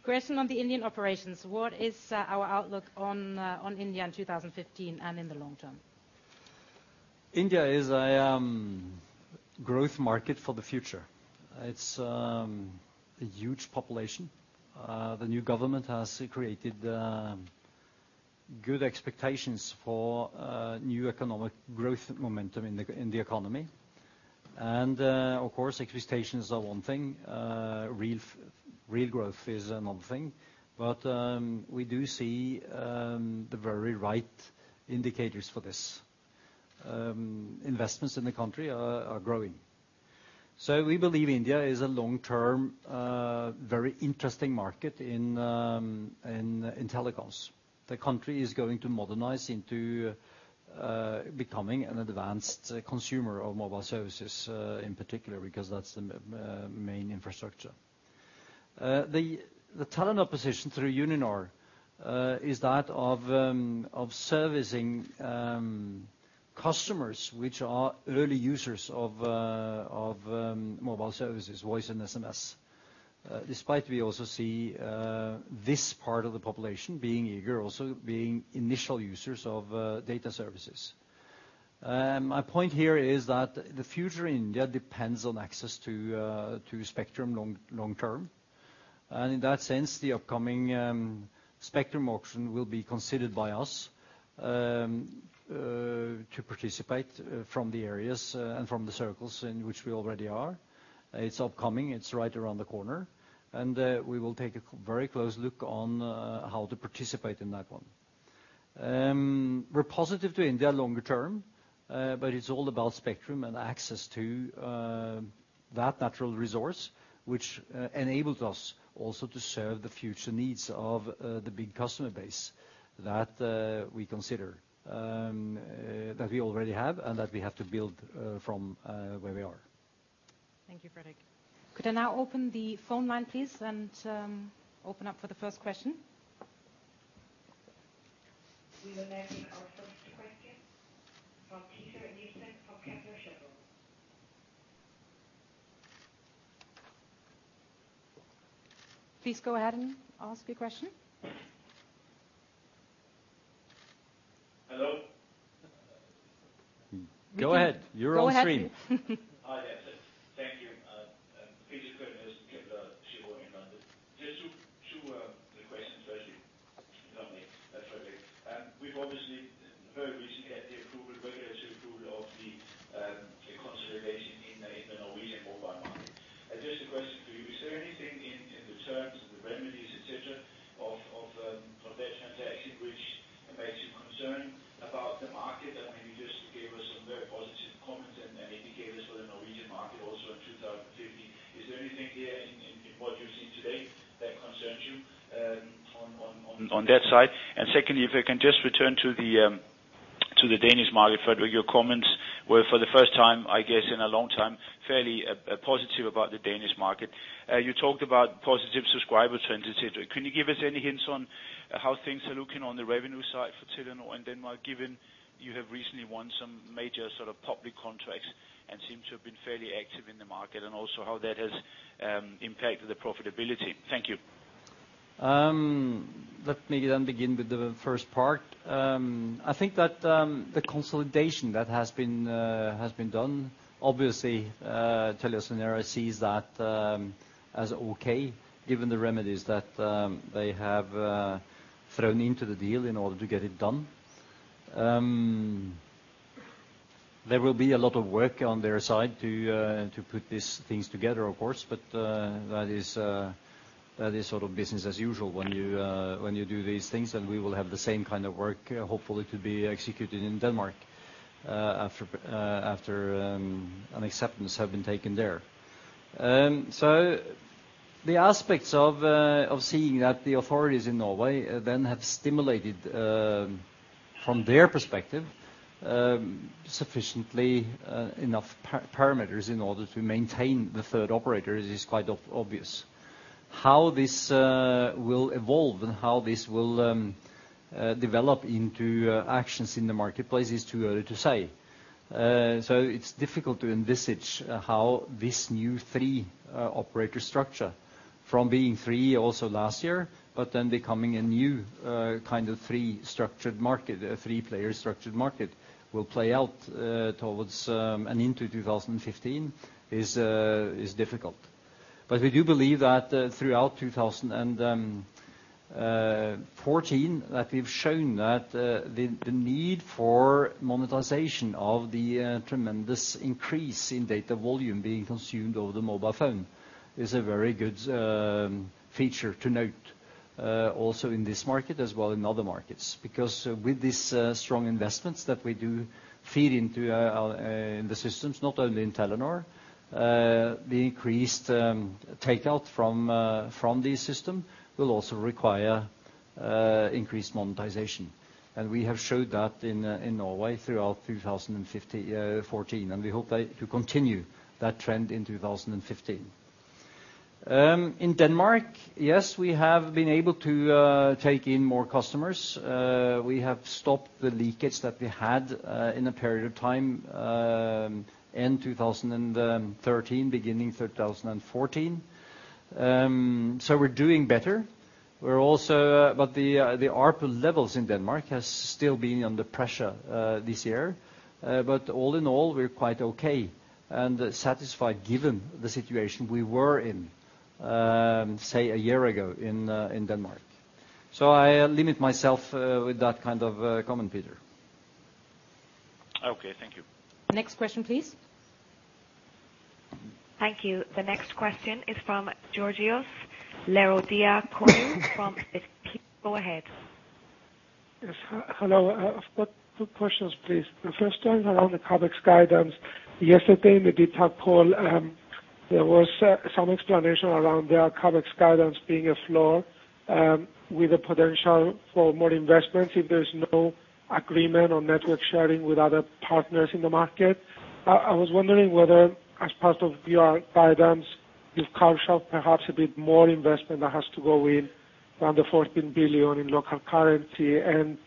Question on the Indian operations: What is our outlook on India in 2015 and in the long term? India is a growth market for the future. It's a huge population. The new government has created good expectations for new economic growth momentum in the economy. Of course, expectations are one thing, real growth is another thing. We do see the very right indicators for this. Investments in the country are growing. We believe India is a long-term very interesting market in telecoms. The country is going to modernize into becoming an advanced consumer of mobile services, in particular, because that's the main infrastructure. The Telenor position through Uninor is that of servicing customers which are early users of mobile services, voice and SMS. Despite we also see this part of the population being eager, also being initial users of data services. My point here is that the future in India depends on access to spectrum long term, and in that sense, the upcoming spectrum auction will be considered by us to participate from the areas and from the circles in which we already are. It's upcoming, it's right around the corner, and we will take a very close look on how to participate in that one. We're positive to India longer term, but it's all about spectrum and access to that natural resource, which enables us also to serve the future needs of the big customer base that we consider that we already have and that we have to build from where we are. Thank you, Fredrik. Could I now open the phone line, please, and open up for the first question? We will now take our first question from Peter Nielsen from Kepler Cheuvreux. Please go ahead and ask your question. Hello? Go ahead. Go ahead. You're on screen. Hi, there. Thank you,... Peter... Just two, two, questions for you, Fredrik. We've obviously very recently had the approval, regulatory approval of the consolidation in the Norwegian mobile market. Just a question for you: Is there anything in the terms of the remedies, et cetera, of that transaction which makes you concerned about the market? And maybe you just gave us some very positive comments and indicators for the Norwegian market also in 2015. Is there anything here in what you've seen today that concerns you on? On that side? And secondly, if I can just return to the Danish market, Fredrik, your comments were, for the first time, I guess, in a long time, fairly positive about the Danish market. You talked about positive subscriber trends, et cetera. Can you give us any hints on how things are looking on the revenue side for Telenor in Denmark, given you have recently won some major sort of public contracts and seem to have been fairly active in the market, and also how that has impacted the profitability? Thank you. Let me then begin with the first part. I think that the consolidation that has been done, obviously, TeliaSonera sees that as okay, given the remedies that they have thrown into the deal in order to get it done. There will be a lot of work on their side to put these things together, of course, but that is sort of business as usual when you do these things, and we will have the same kind of work, hopefully to be executed in Denmark, after an acceptance have been taken there. So the aspects of seeing that the authorities in Norway then have stimulated from their perspective sufficiently enough parameters in order to maintain the third operator is quite obvious. How this will evolve and how this will develop into actions in the marketplace is too early to say. So it's difficult to envisage how this new three operator structure from being three also last year but then becoming a new kind of three structured market, a three-player structured market, will play out towards and into 2015 is difficult. But we do believe that throughout 2014 that we've shown that the need for monetization of the tremendous increase in data volume being consumed over the mobile phone is a very good feature to note also in this market as well in other markets. Because with these strong investments that we do feed into our in the systems, not only in Telenor the increased takeout from the system will also require increased monetization. And we have showed that in Norway throughout 2014, and we hope that to continue that trend in 2015. In Denmark, yes, we have been able to take in more customers. We have stopped the leakage that we had in a period of time, end 2013, beginning 2014. So we're doing better. But the ARPU levels in Denmark has still been under pressure this year. But all in all, we're quite okay and satisfied, given the situation we were in, say, a year ago in Denmark. So I limit myself with that kind of comment, Peter. Okay. Thank you. Next question, please. Thank you. The next question is from Georgios Ierodiaconou from Exane. Go ahead. Yes. Hello, I've got two questions, please. The first one around the CapEx guidance. Yesterday, in the dtac call, there was some explanation around the CapEx guidance being a floor, with a potential for more investments if there's no agreement on network sharing with other partners in the market. I was wondering whether, as part of your guidance, you've carved out perhaps a bit more investment that has to go in around the 14 billion in local currency, and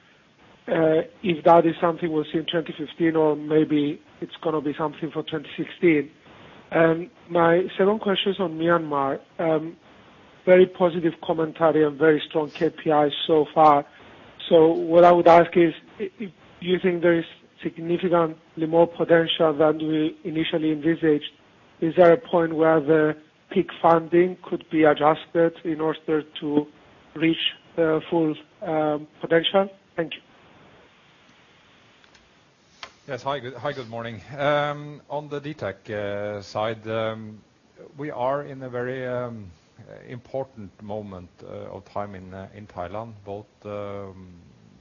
if that is something we'll see in 2015 or maybe it's gonna be something for 2016. My second question is on Myanmar. Very positive commentary and very strong KPIs so far. So what I would ask is, if you think there is significantly more potential than we initially envisaged, is there a point where the peak funding could be adjusted in order to reach the full, potential? Thank you. Yes. Hi, good, hi, good morning. On the dtac side, we are in a very important moment of time in Thailand, both timing,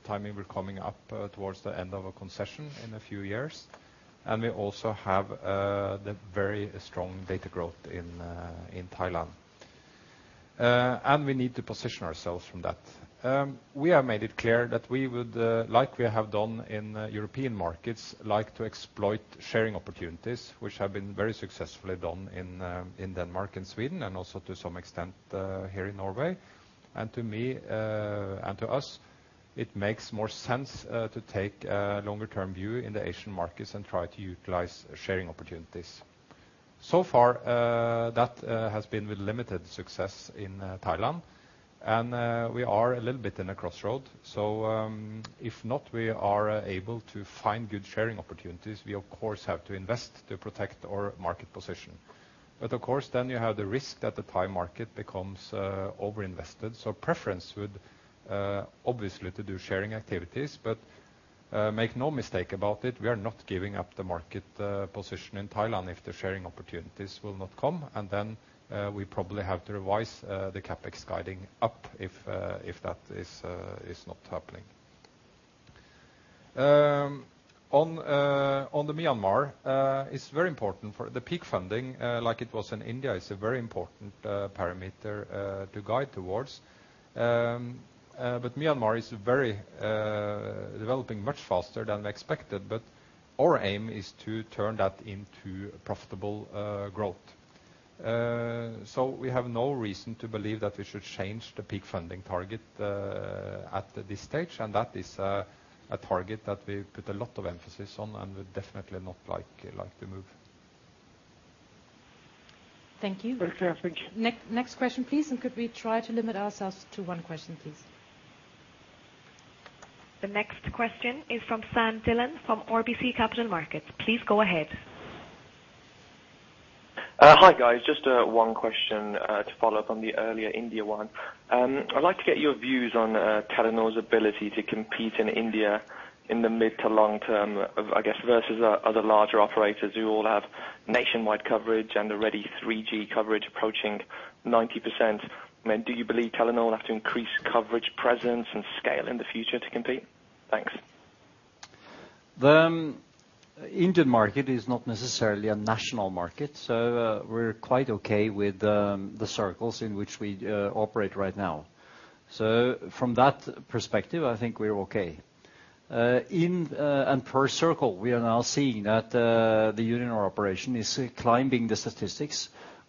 we're coming up towards the end of a concession in a few years, and we also have the very strong data growth in Thailand. And we need to position ourselves from that. We have made it clear that we would like we have done in European markets, like to exploit sharing opportunities, which have been very successfully done in Denmark and Sweden, and also to some extent here in Norway. And to me, and to us, it makes more sense to take a longer-term view in the Asian markets and try to utilize sharing opportunities. So far, that has been with limited success in Thailand, and we are a little bit in a crossroad. So, if not, we are able to find good sharing opportunities, we, of course, have to invest to protect our market position. But of course, then you have the risk that the Thai market becomes over-invested. So preference would obviously to do sharing activities, but make no mistake about it, we are not giving up the market position in Thailand if the sharing opportunities will not come, and then we probably have to revise the CapEx guiding up if that is not happening. On the Myanmar, it's very important for the peak funding, like it was in India, it's a very important parameter to guide towards. But Myanmar is very developing much faster than expected, but our aim is to turn that into profitable growth. So we have no reason to believe that we should change the peak funding target at this stage, and that is a target that we put a lot of emphasis on, and we definitely not like to move. Thank you. Okay, thank you. Next question, please, and could we try to limit ourselves to one question, please? The next question is from San Dhillon, from RBC Capital Markets. Please go ahead. Hi, guys. Just one question to follow up on the earlier India one. I'd like to get your views on Telenor's ability to compete in India in the mid to long term, I guess, versus other larger operators who all have nationwide coverage and already 3G coverage approaching 90%. I mean, do you believe Telenor will have to increase coverage, presence, and scale in the future to compete? Thanks. The Indian market is not necessarily a national market, so we're quite okay with the circles in which we operate right now. So from that perspective, I think we're okay. And per circle, we are now seeing that the Uninor operation is climbing the statistics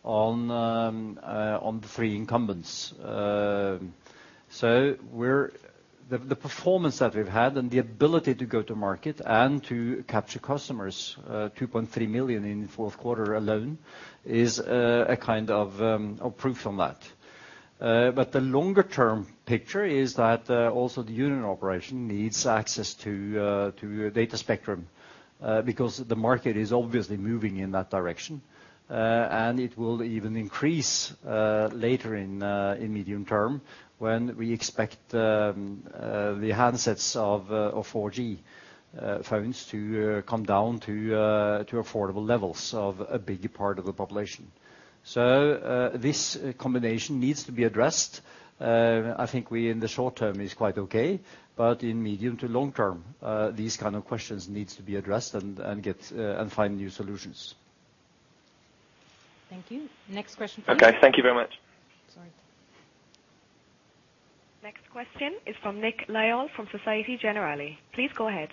on the three incumbents. So the performance that we've had and the ability to go to market and to capture customers, 2.3 million in the fourth quarter alone, is a kind of proof on that. But the longer-term picture is that, also, the Uninor operation needs access to data spectrum, because the market is obviously moving in that direction, and it will even increase later in medium term, when we expect the handsets of 4G phones to come down to affordable levels of a bigger part of the population. So, this combination needs to be addressed. I think we in the short term is quite okay, but in medium to long term, these kind of questions needs to be addressed and get and find new solutions. Thank you. Next question, please. Okay, thank you very much. Sorry. Next question is from Nick Lyall, from Société Générale. Please go ahead.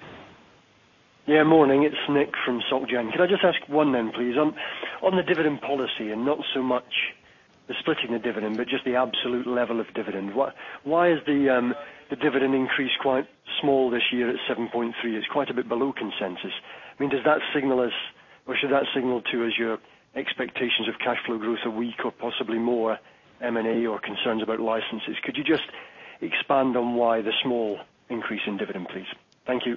Yeah, morning, it's Nick from Soc Gen. Can I just ask one then, please? On the dividend policy, and not so much the splitting the dividend, but just the absolute level of dividend. Why is the dividend increase quite small this year at 7.3? It's quite a bit below consensus. I mean, does that signal as—or should that signal, too, as your expectations of cash flow growth are weak or possibly more M&A or concerns about licenses? Could you just expand on why the small increase in dividend, please? Thank you.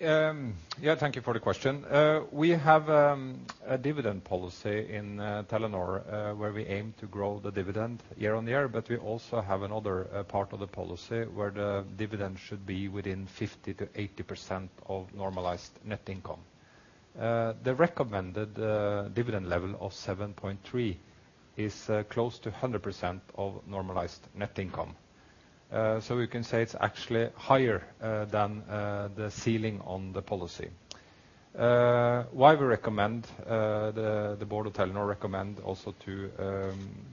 Yeah, thank you for the question. We have a dividend policy in Telenor where we aim to grow the dividend year-on-year, but we also have another part of the policy, where the dividend should be within 50%-80% of normalized net income. The recommended dividend level of 7.3 is close to 100% of normalized net income. So we can say it's actually higher than the ceiling on the policy. Why we recommend the Board of Telenor recommend also to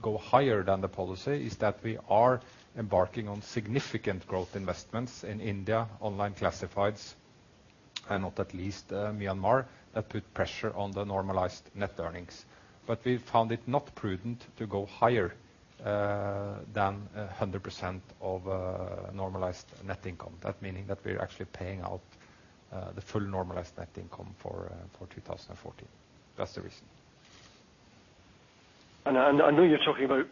go higher than the policy is that we are embarking on significant growth investments in India, online classifieds, and not at least Myanmar, that put pressure on the normalized net earnings. But we found it not prudent to go higher than 100% of normalized net income. That meaning that we're actually paying out the full normalized net income for 2014. That's the reason. And I know you're talking about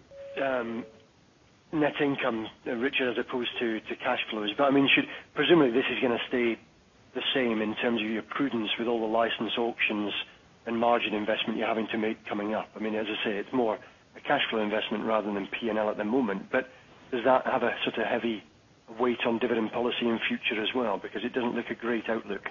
net income, Rikard, as opposed to cash flows, but I mean, should presumably this is gonna stay the same in terms of your prudence with all the license auctions and margin investment you're having to make coming up. I mean, as I say, it's more a cash flow investment rather than P&L at the moment. But does that have a sort of heavy weight on dividend policy in future as well? Because it doesn't look a great outlook.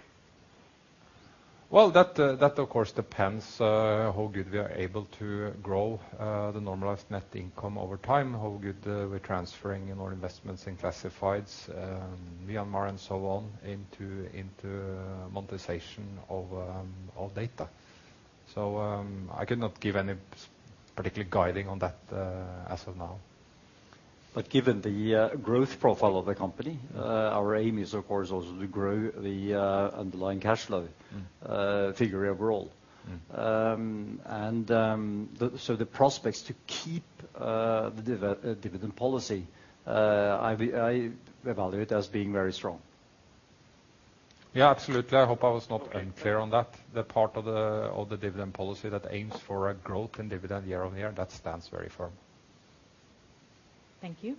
Well, that of course depends how good we are able to grow the normalized net income over time, how good we're transferring in our investments in classifieds, Myanmar and so on, into monetization of data. So, I cannot give any particular guidance on that as of now. But given the growth profile of the company, our aim is, of course, also to grow the underlying cash flow figure overall. And so the prospects to keep the dividend policy, I evaluate as being very strong. Yeah, absolutely. I hope I was not being clear on that. The part of the dividend policy that aims for a growth in dividend year-on-year, that stands very firm. Thank you.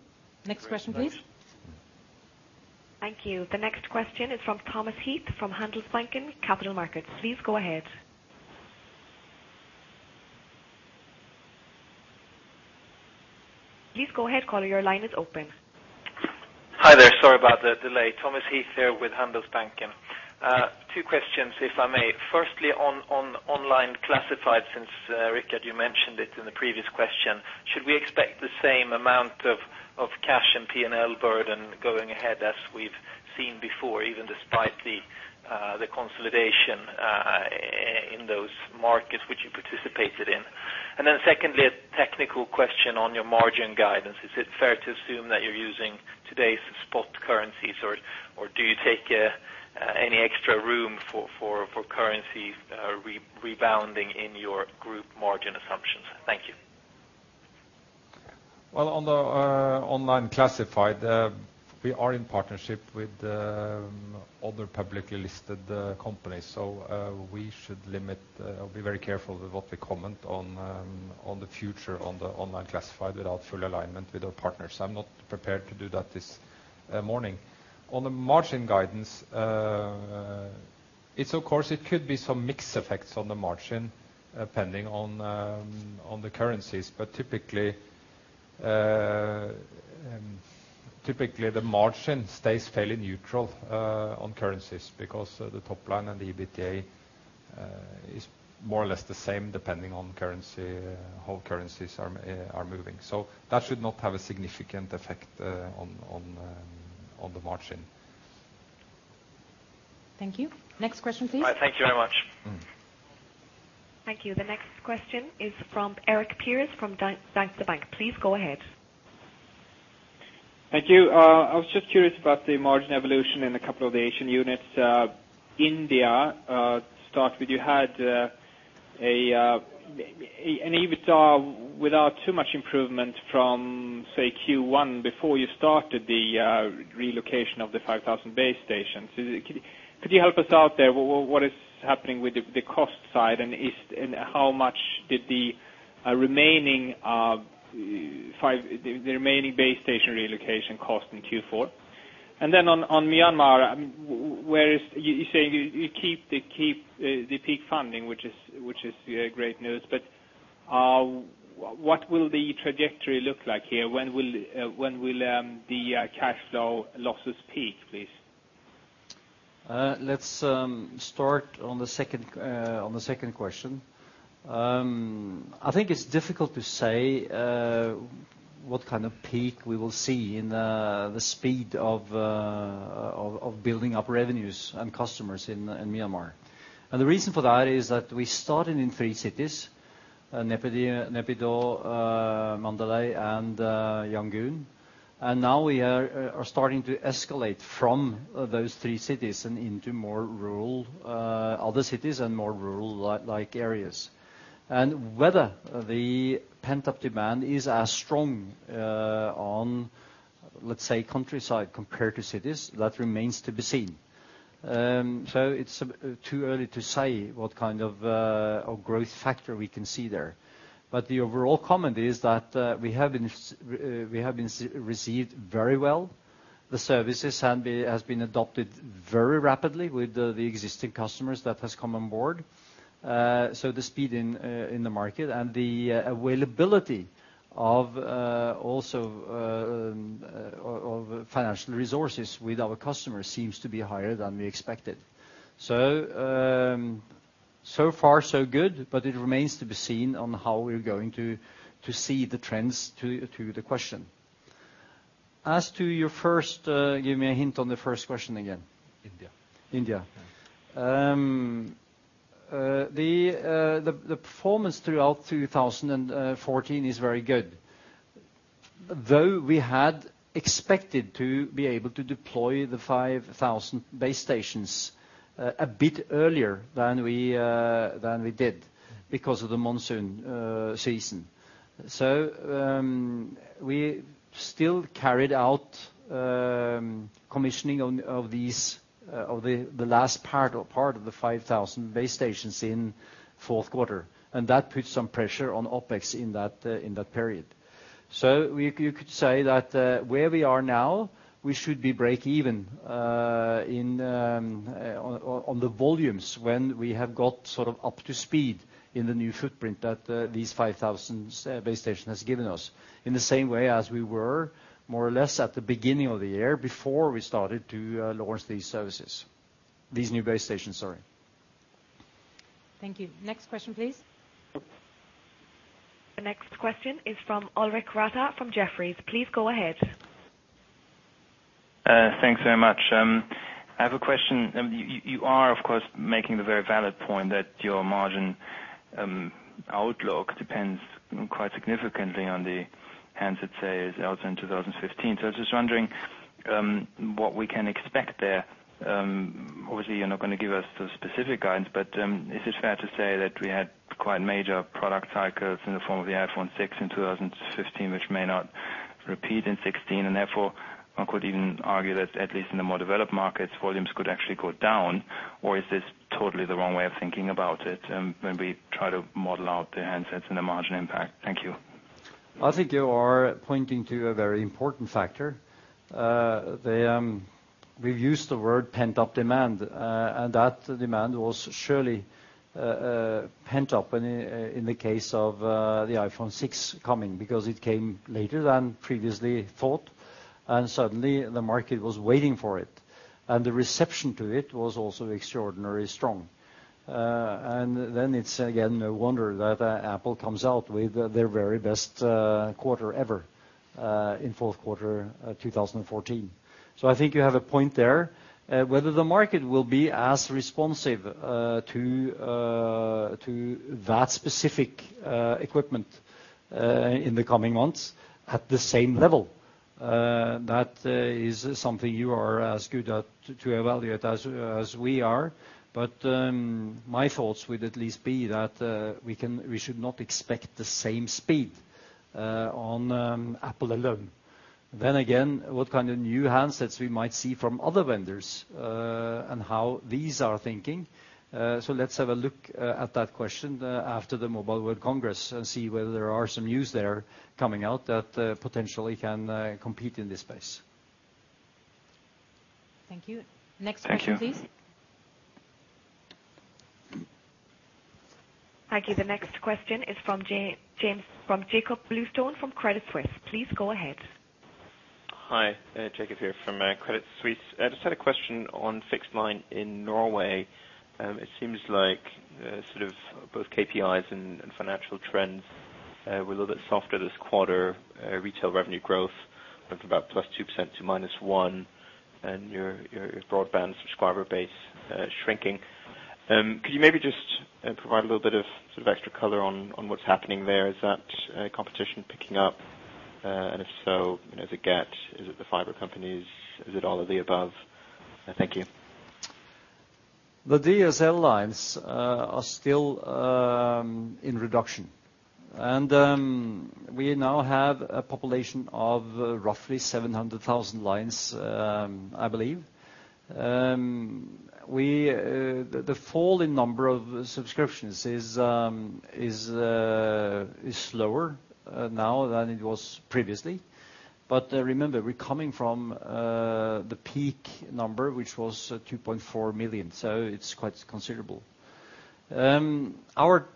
Next question, please. Thank you. The next question is from Thomas Heath, from Handelsbanken Capital Markets. Please go ahead. Please go ahead, caller, your line is open. Hi there. Sorry about the delay. Thomas Heath here with Handelsbanken. Two questions, if I may. Firstly, on online classifieds, since Rikard, you mentioned it in the previous question, should we expect the same amount of cash and P&L burden going ahead as we've seen before, even despite the consolidation in those markets which you participated in? And then secondly, a technical question on your margin guidance. Is it fair to assume that you're using today's spot currencies, or do you take any extra room for currencies rebounding in your group margin assumptions? Thank you. Well, on the online classified, we are in partnership with the other publicly listed companies, so we should limit or be very careful with what we comment on, on the future, on the online classified, without full alignment with our partners. I'm not prepared to do that this morning. On the margin guidance, it's of course it could be some mix effects on the margin, depending on the currencies. But typically, typically, the margin stays fairly neutral, on currencies, because the top line and the EBITDA is more or less the same, depending on currency, how currencies are moving. So that should not have a significant effect, on the margin. Thank you. Next question, please. All right. Thank you very much. Mm. Thank you. The next question is from Eric Pearce, from Danske Bank. Please go ahead. Thank you. I was just curious about the margin evolution in a couple of the Asian units. India, to start with, you had an EBITDA without too much improvement from, say, Q1, before you started the relocation of the 5,000 base stations. Could you help us out there? What is happening with the cost side, and how much did the remaining 5,000 base station relocation cost in Q4? And then on Myanmar, where is... You say you keep the peak funding, which is great news, but what will the trajectory look like here? When will the cash flow losses peak, please? Let's start on the second question. I think it's difficult to say what kind of peak we will see in the speed of building up revenues and customers in Myanmar. And the reason for that is that we started in three cities, Naypyidaw, Mandalay, and Yangon, and now we are starting to escalate from those three cities and into more rural other cities and more rural like areas. And whether the pent-up demand is as strong on, let's say, countryside compared to cities, that remains to be seen. So it's too early to say what kind of growth factor we can see there. But the overall comment is that we have been received very well. The services have been adopted very rapidly with the existing customers that has come on board. So the speed in the market and the availability of financial resources with our customers seems to be higher than we expected. So, so far, so good, but it remains to be seen how we're going to see the trends to the question. As to your first... Give me a hint on the first question again. India. India. The performance throughout 2014 is very good, though we had expected to be able to deploy the 5,000 base stations a bit earlier than we did, because of the monsoon season. So, we still carried out commissioning on the last part of the 5,000 base stations in fourth quarter, and that put some pressure on OpEx in that period. So you could say that where we are now, we should be break even in on the volumes when we have got sort of up to speed in the new footprint that these 5,000 base station has given us, in the same way as we were more or less at the beginning of the year, before we started to launch these services. These new base stations, sorry. Thank you. Next question, please. The next question is from Ulrich Rathe from Jefferies. Please go ahead. Thanks very much. I have a question. You are, of course, making the very valid point that your margin outlook depends quite significantly on the handset sales out in 2015. So I was just wondering-... what we can expect there, obviously, you're not gonna give us the specific guidance, but, is it fair to say that we had quite major product cycles in the form of the iPhone 6 in 2015, which may not repeat in 2016, and therefore, one could even argue that at least in the more developed markets, volumes could actually go down? Or is this totally the wrong way of thinking about it, when we try to model out the handsets and the margin impact? Thank you. I think you are pointing to a very important factor. We've used the word pent-up demand, and that demand was surely pent-up in the case of the iPhone 6 coming, because it came later than previously thought, and suddenly the market was waiting for it, and the reception to it was also extraordinarily strong. And then it's again no wonder that Apple comes out with their very best quarter ever in fourth quarter 2014. So I think you have a point there. Whether the market will be as responsive to that specific equipment in the coming months at the same level, that is something you are as good at to evaluate as we are. My thoughts would at least be that we should not expect the same speed on Apple alone. Then again, what kind of new handsets we might see from other vendors and how these are thinking? Let's have a look at that question after the Mobile World Congress and see whether there are some news there coming out that potentially can compete in this space. Thank you. Next question, please. Thank you. Thank you. The next question is from Jakob Bluestone from Credit Suisse. Please go ahead. Hi, Jacob here from Credit Suisse. I just had a question on fixed line in Norway. It seems like sort of both KPIs and financial trends were a little bit softer this quarter. Retail revenue growth went from about +2% to -1%, and your broadband subscriber base shrinking. Could you maybe just provide a little bit of sort of extra color on what's happening there? Is that competition picking up? And if so, you know, the gap, is it the fiber companies? Is it all of the above? Thank you. The DSL lines are still in reduction, and we now have a population of roughly 700,000 lines, I believe. The fall in number of subscriptions is slower now than it was previously. But remember, we're coming from the peak number, which was 2.4 million, so it's quite considerable. Our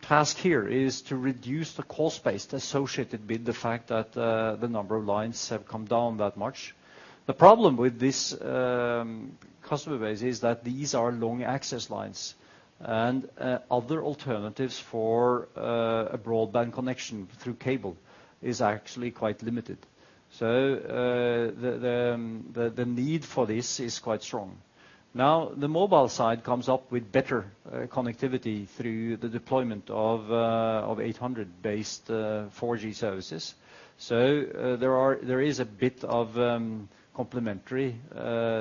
task here is to reduce the cost base associated with the fact that the number of lines have come down that much. The problem with this customer base is that these are long access lines, and other alternatives for a broadband connection through cable is actually quite limited. So, the need for this is quite strong. Now, the mobile side comes up with better connectivity through the deployment of 800-based 4G services. So, there is a bit of complementary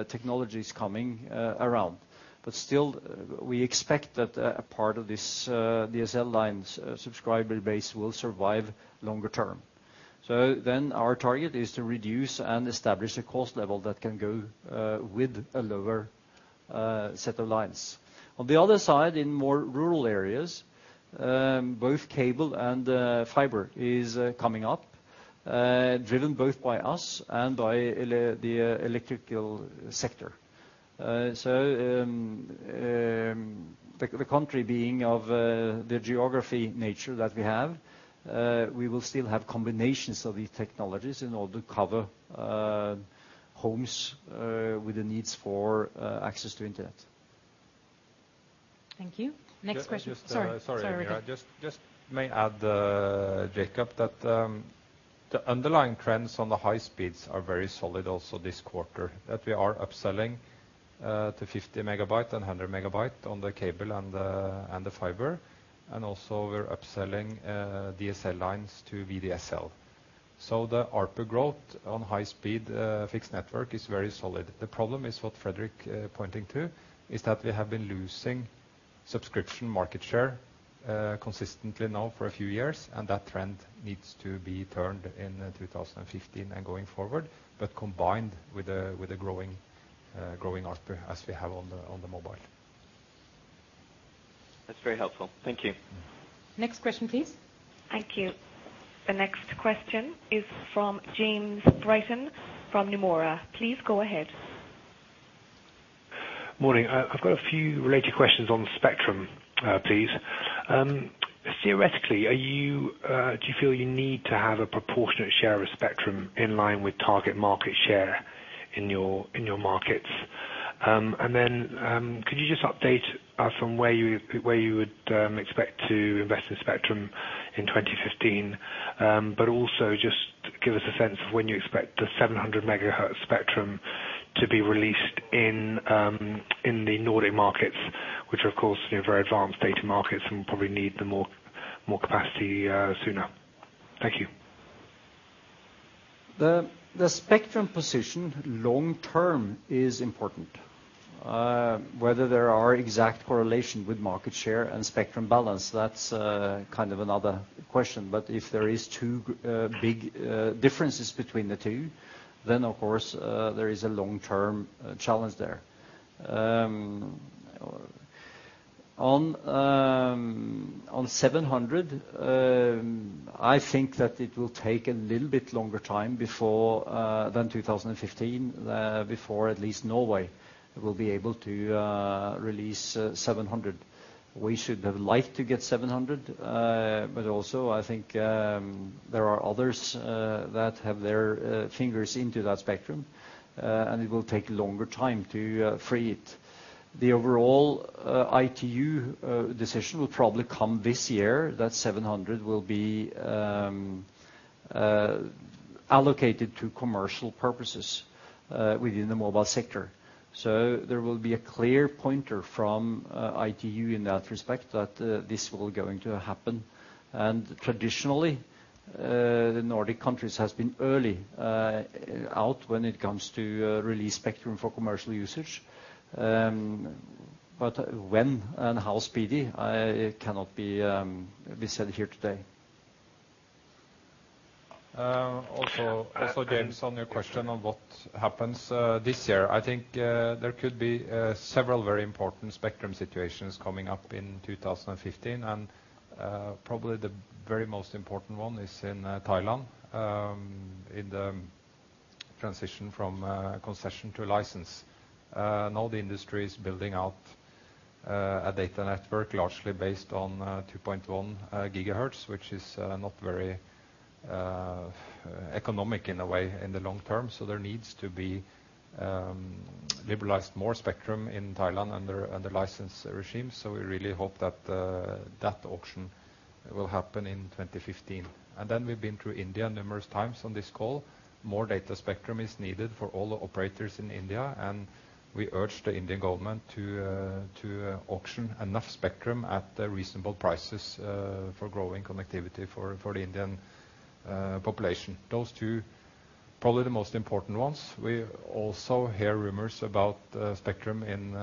technologies coming around. But still, we expect that a part of this DSL lines subscriber base will survive longer term. So then our target is to reduce and establish a cost level that can go with a lower set of lines. On the other side, in more rural areas, both cable and fiber is coming up, driven both by us and by the electrical sector. So, the country being of the geography nature that we have, we will still have combinations of these technologies in order to cover homes with the needs for access to internet. Thank you. Next question. Just, uh- Sorry. Sorry. Sorry, Ricky. Just, just may add, Jacob, that the underlying trends on the high speeds are very solid also this quarter, that we are upselling to 50 megabyte and 100 megabyte on the cable and the, and the fiber, and also we're upselling DSL lines to VDSL. So the ARPU growth on high-speed fixed network is very solid. The problem is what Fredrik is pointing to, is that we have been losing subscription market share consistently now for a few years, and that trend needs to be turned in 2015 and going forward, but combined with a, with a growing, growing ARPU, as we have on the, on the mobile. That's very helpful. Thank you. Next question, please. Thank you. The next question is from James Britton, from Nomura. Please go ahead. Morning. I've got a few related questions on spectrum, please. Theoretically, are you, do you feel you need to have a proportionate share of spectrum in line with target market share in your, in your markets? And then, could you just update us on where you, where you would, expect to invest in spectrum in 2015? But also just give us a sense of when you expect the 700 MHz spectrum to be released in, in the Nordic markets, which are, of course, you know, very advanced data markets and probably need the more-... more capacity, sooner. Thank you. The spectrum position long term is important. Whether there are exact correlation with market share and spectrum balance, that's kind of another question. But if there is 2 big differences between the two, then, of course, there is a long-term challenge there. On 700, I think that it will take a little bit longer time before than 2015 before at least Norway will be able to release 700. We should have liked to get 700, but also I think there are others that have their fingers into that spectrum, and it will take a longer time to free it. The overall ITU decision will probably come this year. That 700 will be allocated to commercial purposes within the mobile sector. So there will be a clear pointer from ITU in that respect, that this is all going to happen. Traditionally, the Nordic countries has been early out when it comes to release spectrum for commercial usage. But when and how speedy, it cannot be said here today. Also, also, James, on your question on what happens this year. I think there could be several very important spectrum situations coming up in 2015, and probably the very most important one is in Thailand, in the transition from concession to license. Now the industry is building out a data network largely based on 2.1 GHz, which is not very economic in a way in the long term. So there needs to be liberalized more spectrum in Thailand under license regime. So we really hope that that auction will happen in 2015. And then we've been to India numerous times on this call. More data spectrum is needed for all the operators in India, and we urge the Indian government to, to auction enough spectrum at reasonable prices, for growing connectivity for, for the Indian, population. Those two, probably the most important ones. We also hear rumors about, spectrum in,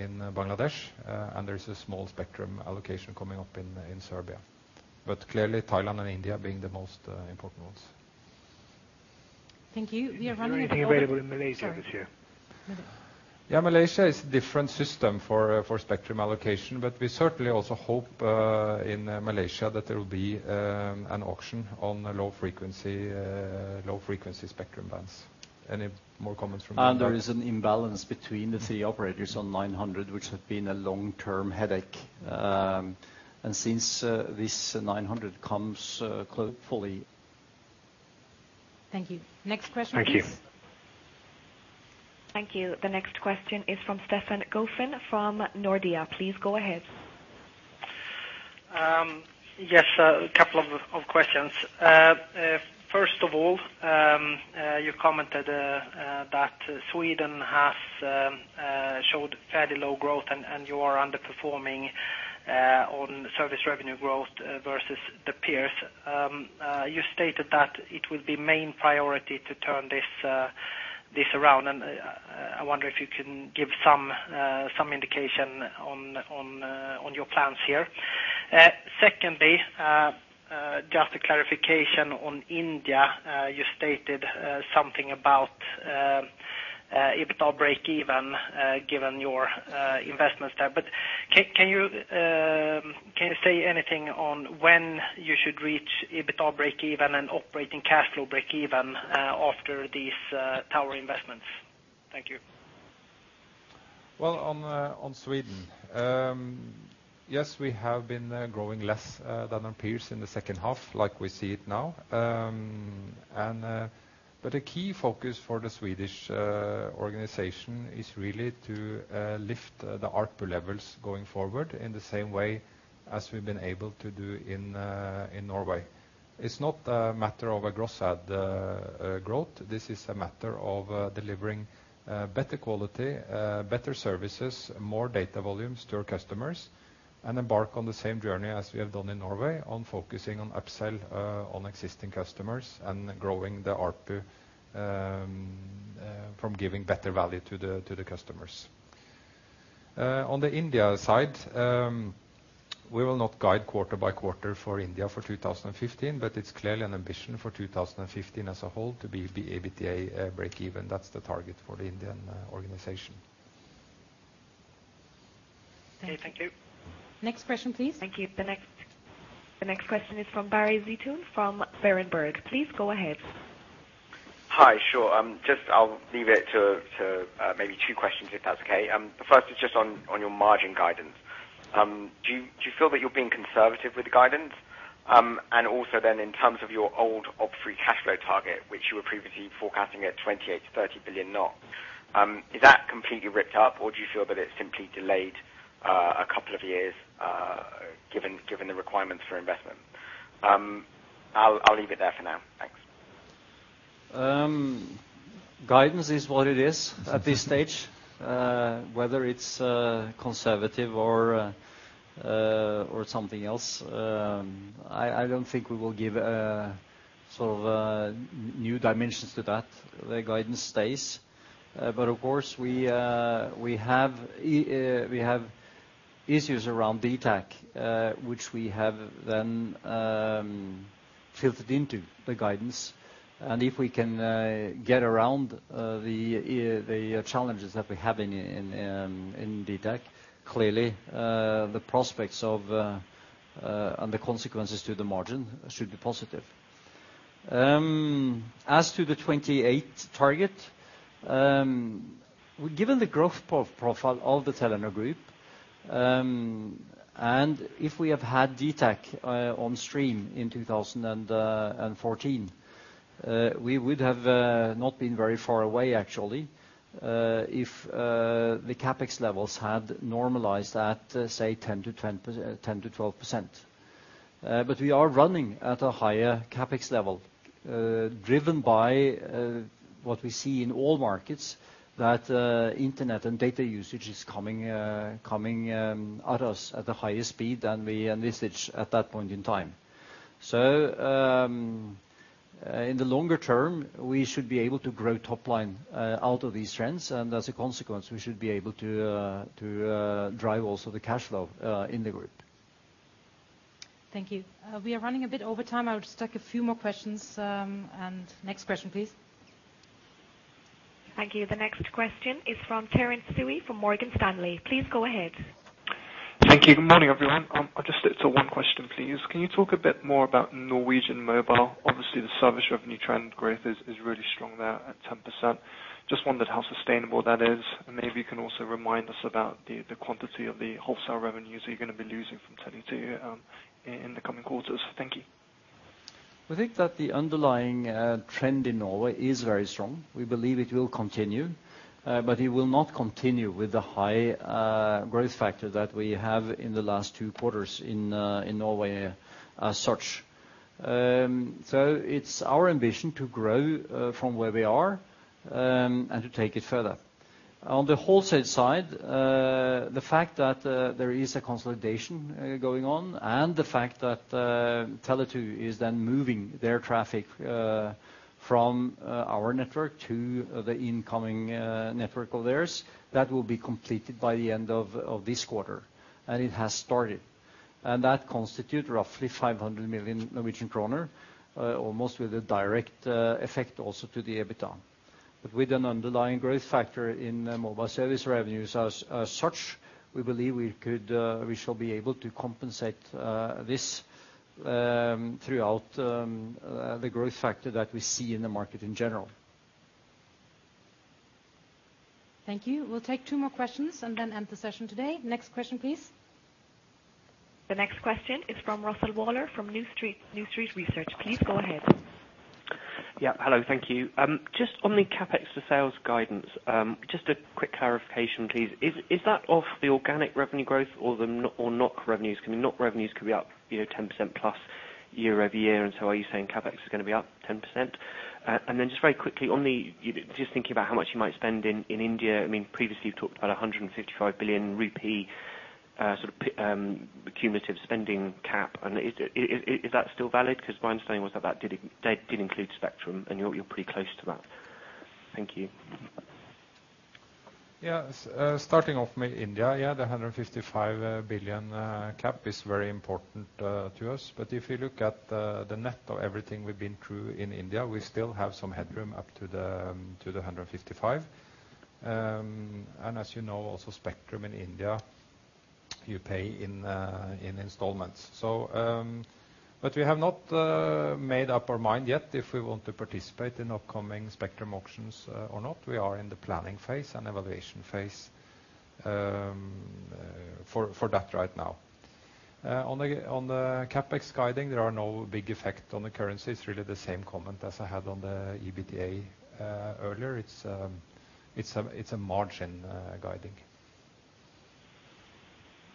in Bangladesh, and there is a small spectrum allocation coming up in, in Serbia. But clearly Thailand and India being the most, important ones. Thank you. We are running- Is there anything available in Malaysia this year? Yeah, Malaysia is a different system for spectrum allocation, but we certainly also hope in Malaysia that there will be an auction on a low frequency spectrum bands. Any more comments from you? There is an imbalance between the three operators on 900, which have been a long-term headache. Since this 900 comes, hopefully. Thank you. Next question, please. Thank you. Thank you. The next question is from Stefan Gauffin, from Nordea. Please go ahead. Yes, a couple of questions. First of all, you commented that Sweden has showed fairly low growth and you are underperforming on service revenue growth versus the peers. You stated that it will be main priority to turn this around, and I wonder if you can give some indication on your plans here. Secondly, just a clarification on India. You stated something about EBITDA break even given your investments there. But can you say anything on when you should reach EBITDA break even and operating cash flow break even after these tower investments? Thank you. Well, on Sweden. Yes, we have been growing less than our peers in the second half, like we see it now. But the key focus for the Swedish organization is really to lift the ARPU levels going forward in the same way as we've been able to do in Norway. It's not a matter of a gross add growth. This is a matter of delivering better quality, better services, more data volumes to our customers, and embark on the same journey as we have done in Norway on focusing on upsell on existing customers and growing the ARPU from giving better value to the customers. On the India side, we will not guide quarter by quarter for India for 2015, but it's clearly an ambition for 2015 as a whole to be, be EBITDA break even. That's the target for the Indian organization. Okay, thank you. Next question, please. Thank you. The next, the next question is from Barry Zeitoune from Berenberg. Please go ahead. Hi, sure. Just I'll leave it to maybe two questions, if that's okay. The first is just on your margin guidance. Do you feel that you're being conservative with the guidance? And also then in terms of your old op free cash flow target, which you were previously forecasting at 28 billion-30 billion. Is that completely ripped up, or do you feel that it's simply delayed a couple of years, given the requirements for investment? I'll leave it there for now. Thanks. Guidance is what it is at this stage, whether it's conservative or something else. I don't think we will give a sort of new dimensions to that. The guidance stays, but of course, we have issues around DTAC, which we have then filtered into the guidance. And if we can get around the challenges that we have in DTAC, clearly the prospects of and the consequences to the margin should be positive. As to the 28 target, given the growth profile of the Telenor Group, and if we had had DTAC on stream in 2014, we would have not been very far away, actually, if the CapEx levels had normalized at, say, 10%-12%. But we are running at a higher CapEx level, driven by what we see in all markets, that internet and data usage is coming, coming at us at a higher speed than we envisioned at that point in time. So, in the longer term, we should be able to grow top line out of these trends, and as a consequence, we should be able to, to, drive also the cash flow in the group. Thank you. We are running a bit over time. I'll just take a few more questions, and next question, please. Thank you. The next question is from Terence Tsui, from Morgan Stanley. Please go ahead. Thank you. Good morning, everyone. I'll just stick to one question, please. Can you talk a bit more about Norwegian Mobile? Obviously, the service revenue trend growth is really strong there at 10%. Just wondered how sustainable that is, and maybe you can also remind us about the quantity of the wholesale revenues that you're gonna be losing from Tele2 in the coming quarters. Thank you. I think that the underlying trend in Norway is very strong. We believe it will continue, but it will not continue with the high growth factor that we have in the last two quarters in Norway, as such. So it's our ambition to grow from where we are, and to take it further. On the wholesale side, the fact that there is a consolidation going on, and the fact that Tele2 is then moving their traffic from our network to the incoming network of theirs, that will be completed by the end of this quarter, and it has started. That constitute roughly 500 million Norwegian kroner, almost with a direct effect also to the EBITDA. But with an underlying growth factor in mobile service revenues as such, we believe we could, we shall be able to compensate this throughout the growth factor that we see in the market in general. Thank you. We'll take two more questions and then end the session today. Next question, please. The next question is from Russell Waller, from New Street, New Street Research. Please go ahead. Yeah. Hello, thank you. Just on the CapEx for sales guidance, just a quick clarification, please. Is, is that off the organic revenue growth or the, or NOK revenues? Because NOK revenues could be up, you know, 10%+ year-over-year, and so are you saying CapEx is gonna be up 10%? And then just very quickly, on the, just thinking about how much you might spend in, in India, I mean, previously, you've talked about 155 billion rupee, sort of, cumulative spending cap. And is, is, is that still valid? Because my understanding was that that did, did include Spectrum, and you're, you're pretty close to that. Thank you. Yeah. Starting off with India, yeah, the 155 billion cap is very important to us. But if you look at the net of everything we've been through in India, we still have some headroom up to the 155. And as you know, also, spectrum in India, you pay in installments. So, but we have not made up our mind yet if we want to participate in upcoming spectrum auctions or not. We are in the planning phase and evaluation phase for that right now. On the CapEx guiding, there are no big effect on the currency. It's really the same comment as I had on the EBITDA earlier. It's a margin guiding.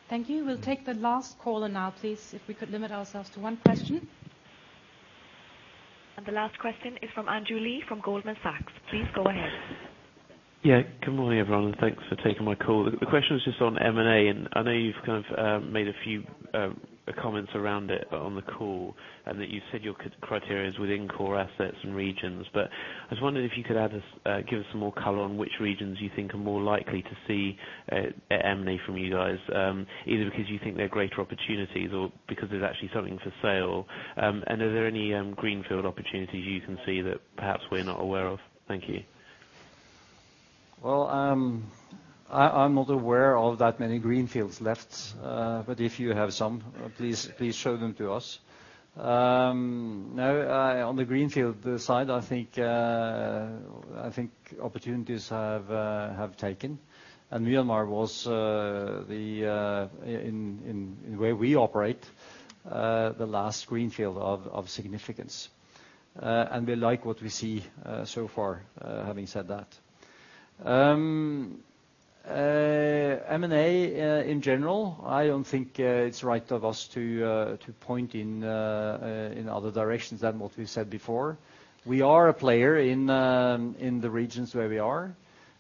Thank you. We'll take the last caller now, please, if we could limit ourselves to one question. The last question is from Andrew Lee, from Goldman Sachs. Please go ahead. Yeah, good morning, everyone, and thanks for taking my call. The question is just on M&A, and I know you've kind of made a few comments around it on the call, and that you've said your criteria is within core assets and regions. But I was wondering if you could add us, give us some more color on which regions you think are more likely to see M&A from you guys, either because you think they're greater opportunities or because there's actually something for sale. And are there any greenfield opportunities you can see that perhaps we're not aware of? Thank you. Well, I'm not aware of that many greenfields left, but if you have some, please, please show them to us. No, on the greenfield side, I think opportunities have taken. And Myanmar was the one in where we operate, the last greenfield of significance. And we like what we see so far, having said that. M&A in general, I don't think it's right of us to point in other directions than what we've said before. We are a player in the regions where we are.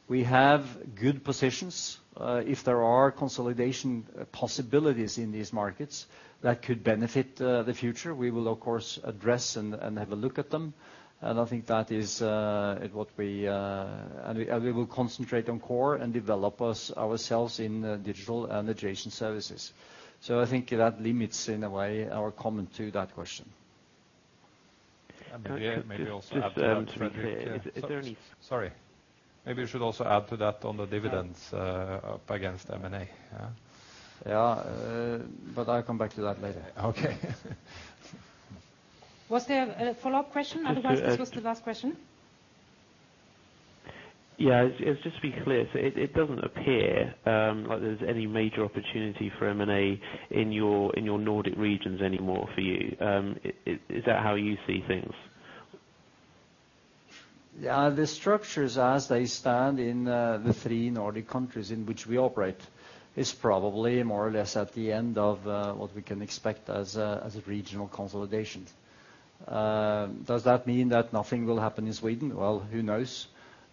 We have good positions. If there are consolidation possibilities in these markets that could benefit the future, we will, of course, address and have a look at them, and I think that is what we will concentrate on core and develop ourselves in digital and adjacent services. So I think that limits, in a way, our comment to that question. Maybe also add to that- Is there a need? Sorry. Maybe you should also add to that on the dividends, up against M&A, yeah? Yeah, but I'll come back to that later. Okay. Was there a follow-up question? Otherwise, this was the last question. Yeah. It's just to be clear, so it doesn't appear like there's any major opportunity for M&A in your Nordic regions anymore for you. Is that how you see things? Yeah. The structures as they stand in the three Nordic countries in which we operate is probably more or less at the end of what we can expect as a regional consolidation. Does that mean that nothing will happen in Sweden? Well, who knows?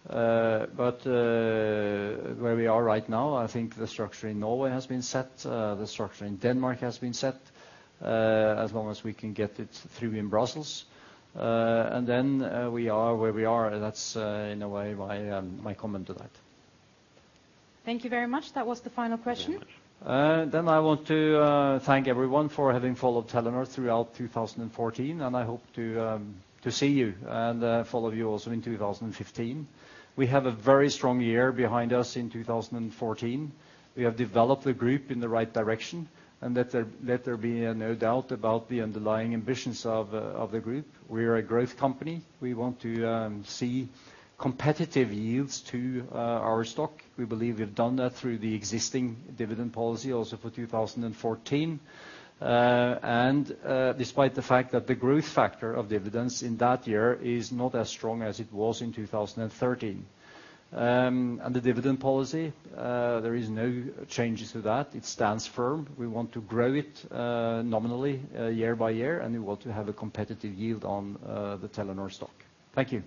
But where we are right now, I think the structure in Norway has been set, the structure in Denmark has been set, as long as we can get it through in Brussels. And then we are where we are, and that's in a way my comment to that. Thank you very much. That was the final question. Then I want to thank everyone for having followed Telenor throughout 2014, and I hope to see you and follow you also in 2015. We have a very strong year behind us in 2014. We have developed the group in the right direction, and let there be no doubt about the underlying ambitions of the group. We are a growth company. We want to see competitive yields to our stock. We believe we've done that through the existing dividend policy, also for 2014. And despite the fact that the growth factor of dividends in that year is not as strong as it was in 2013. And the dividend policy, there is no changes to that. It stands firm. We want to grow it nominally, year by year, and we want to have a competitive yield on the Telenor stock. Thank you.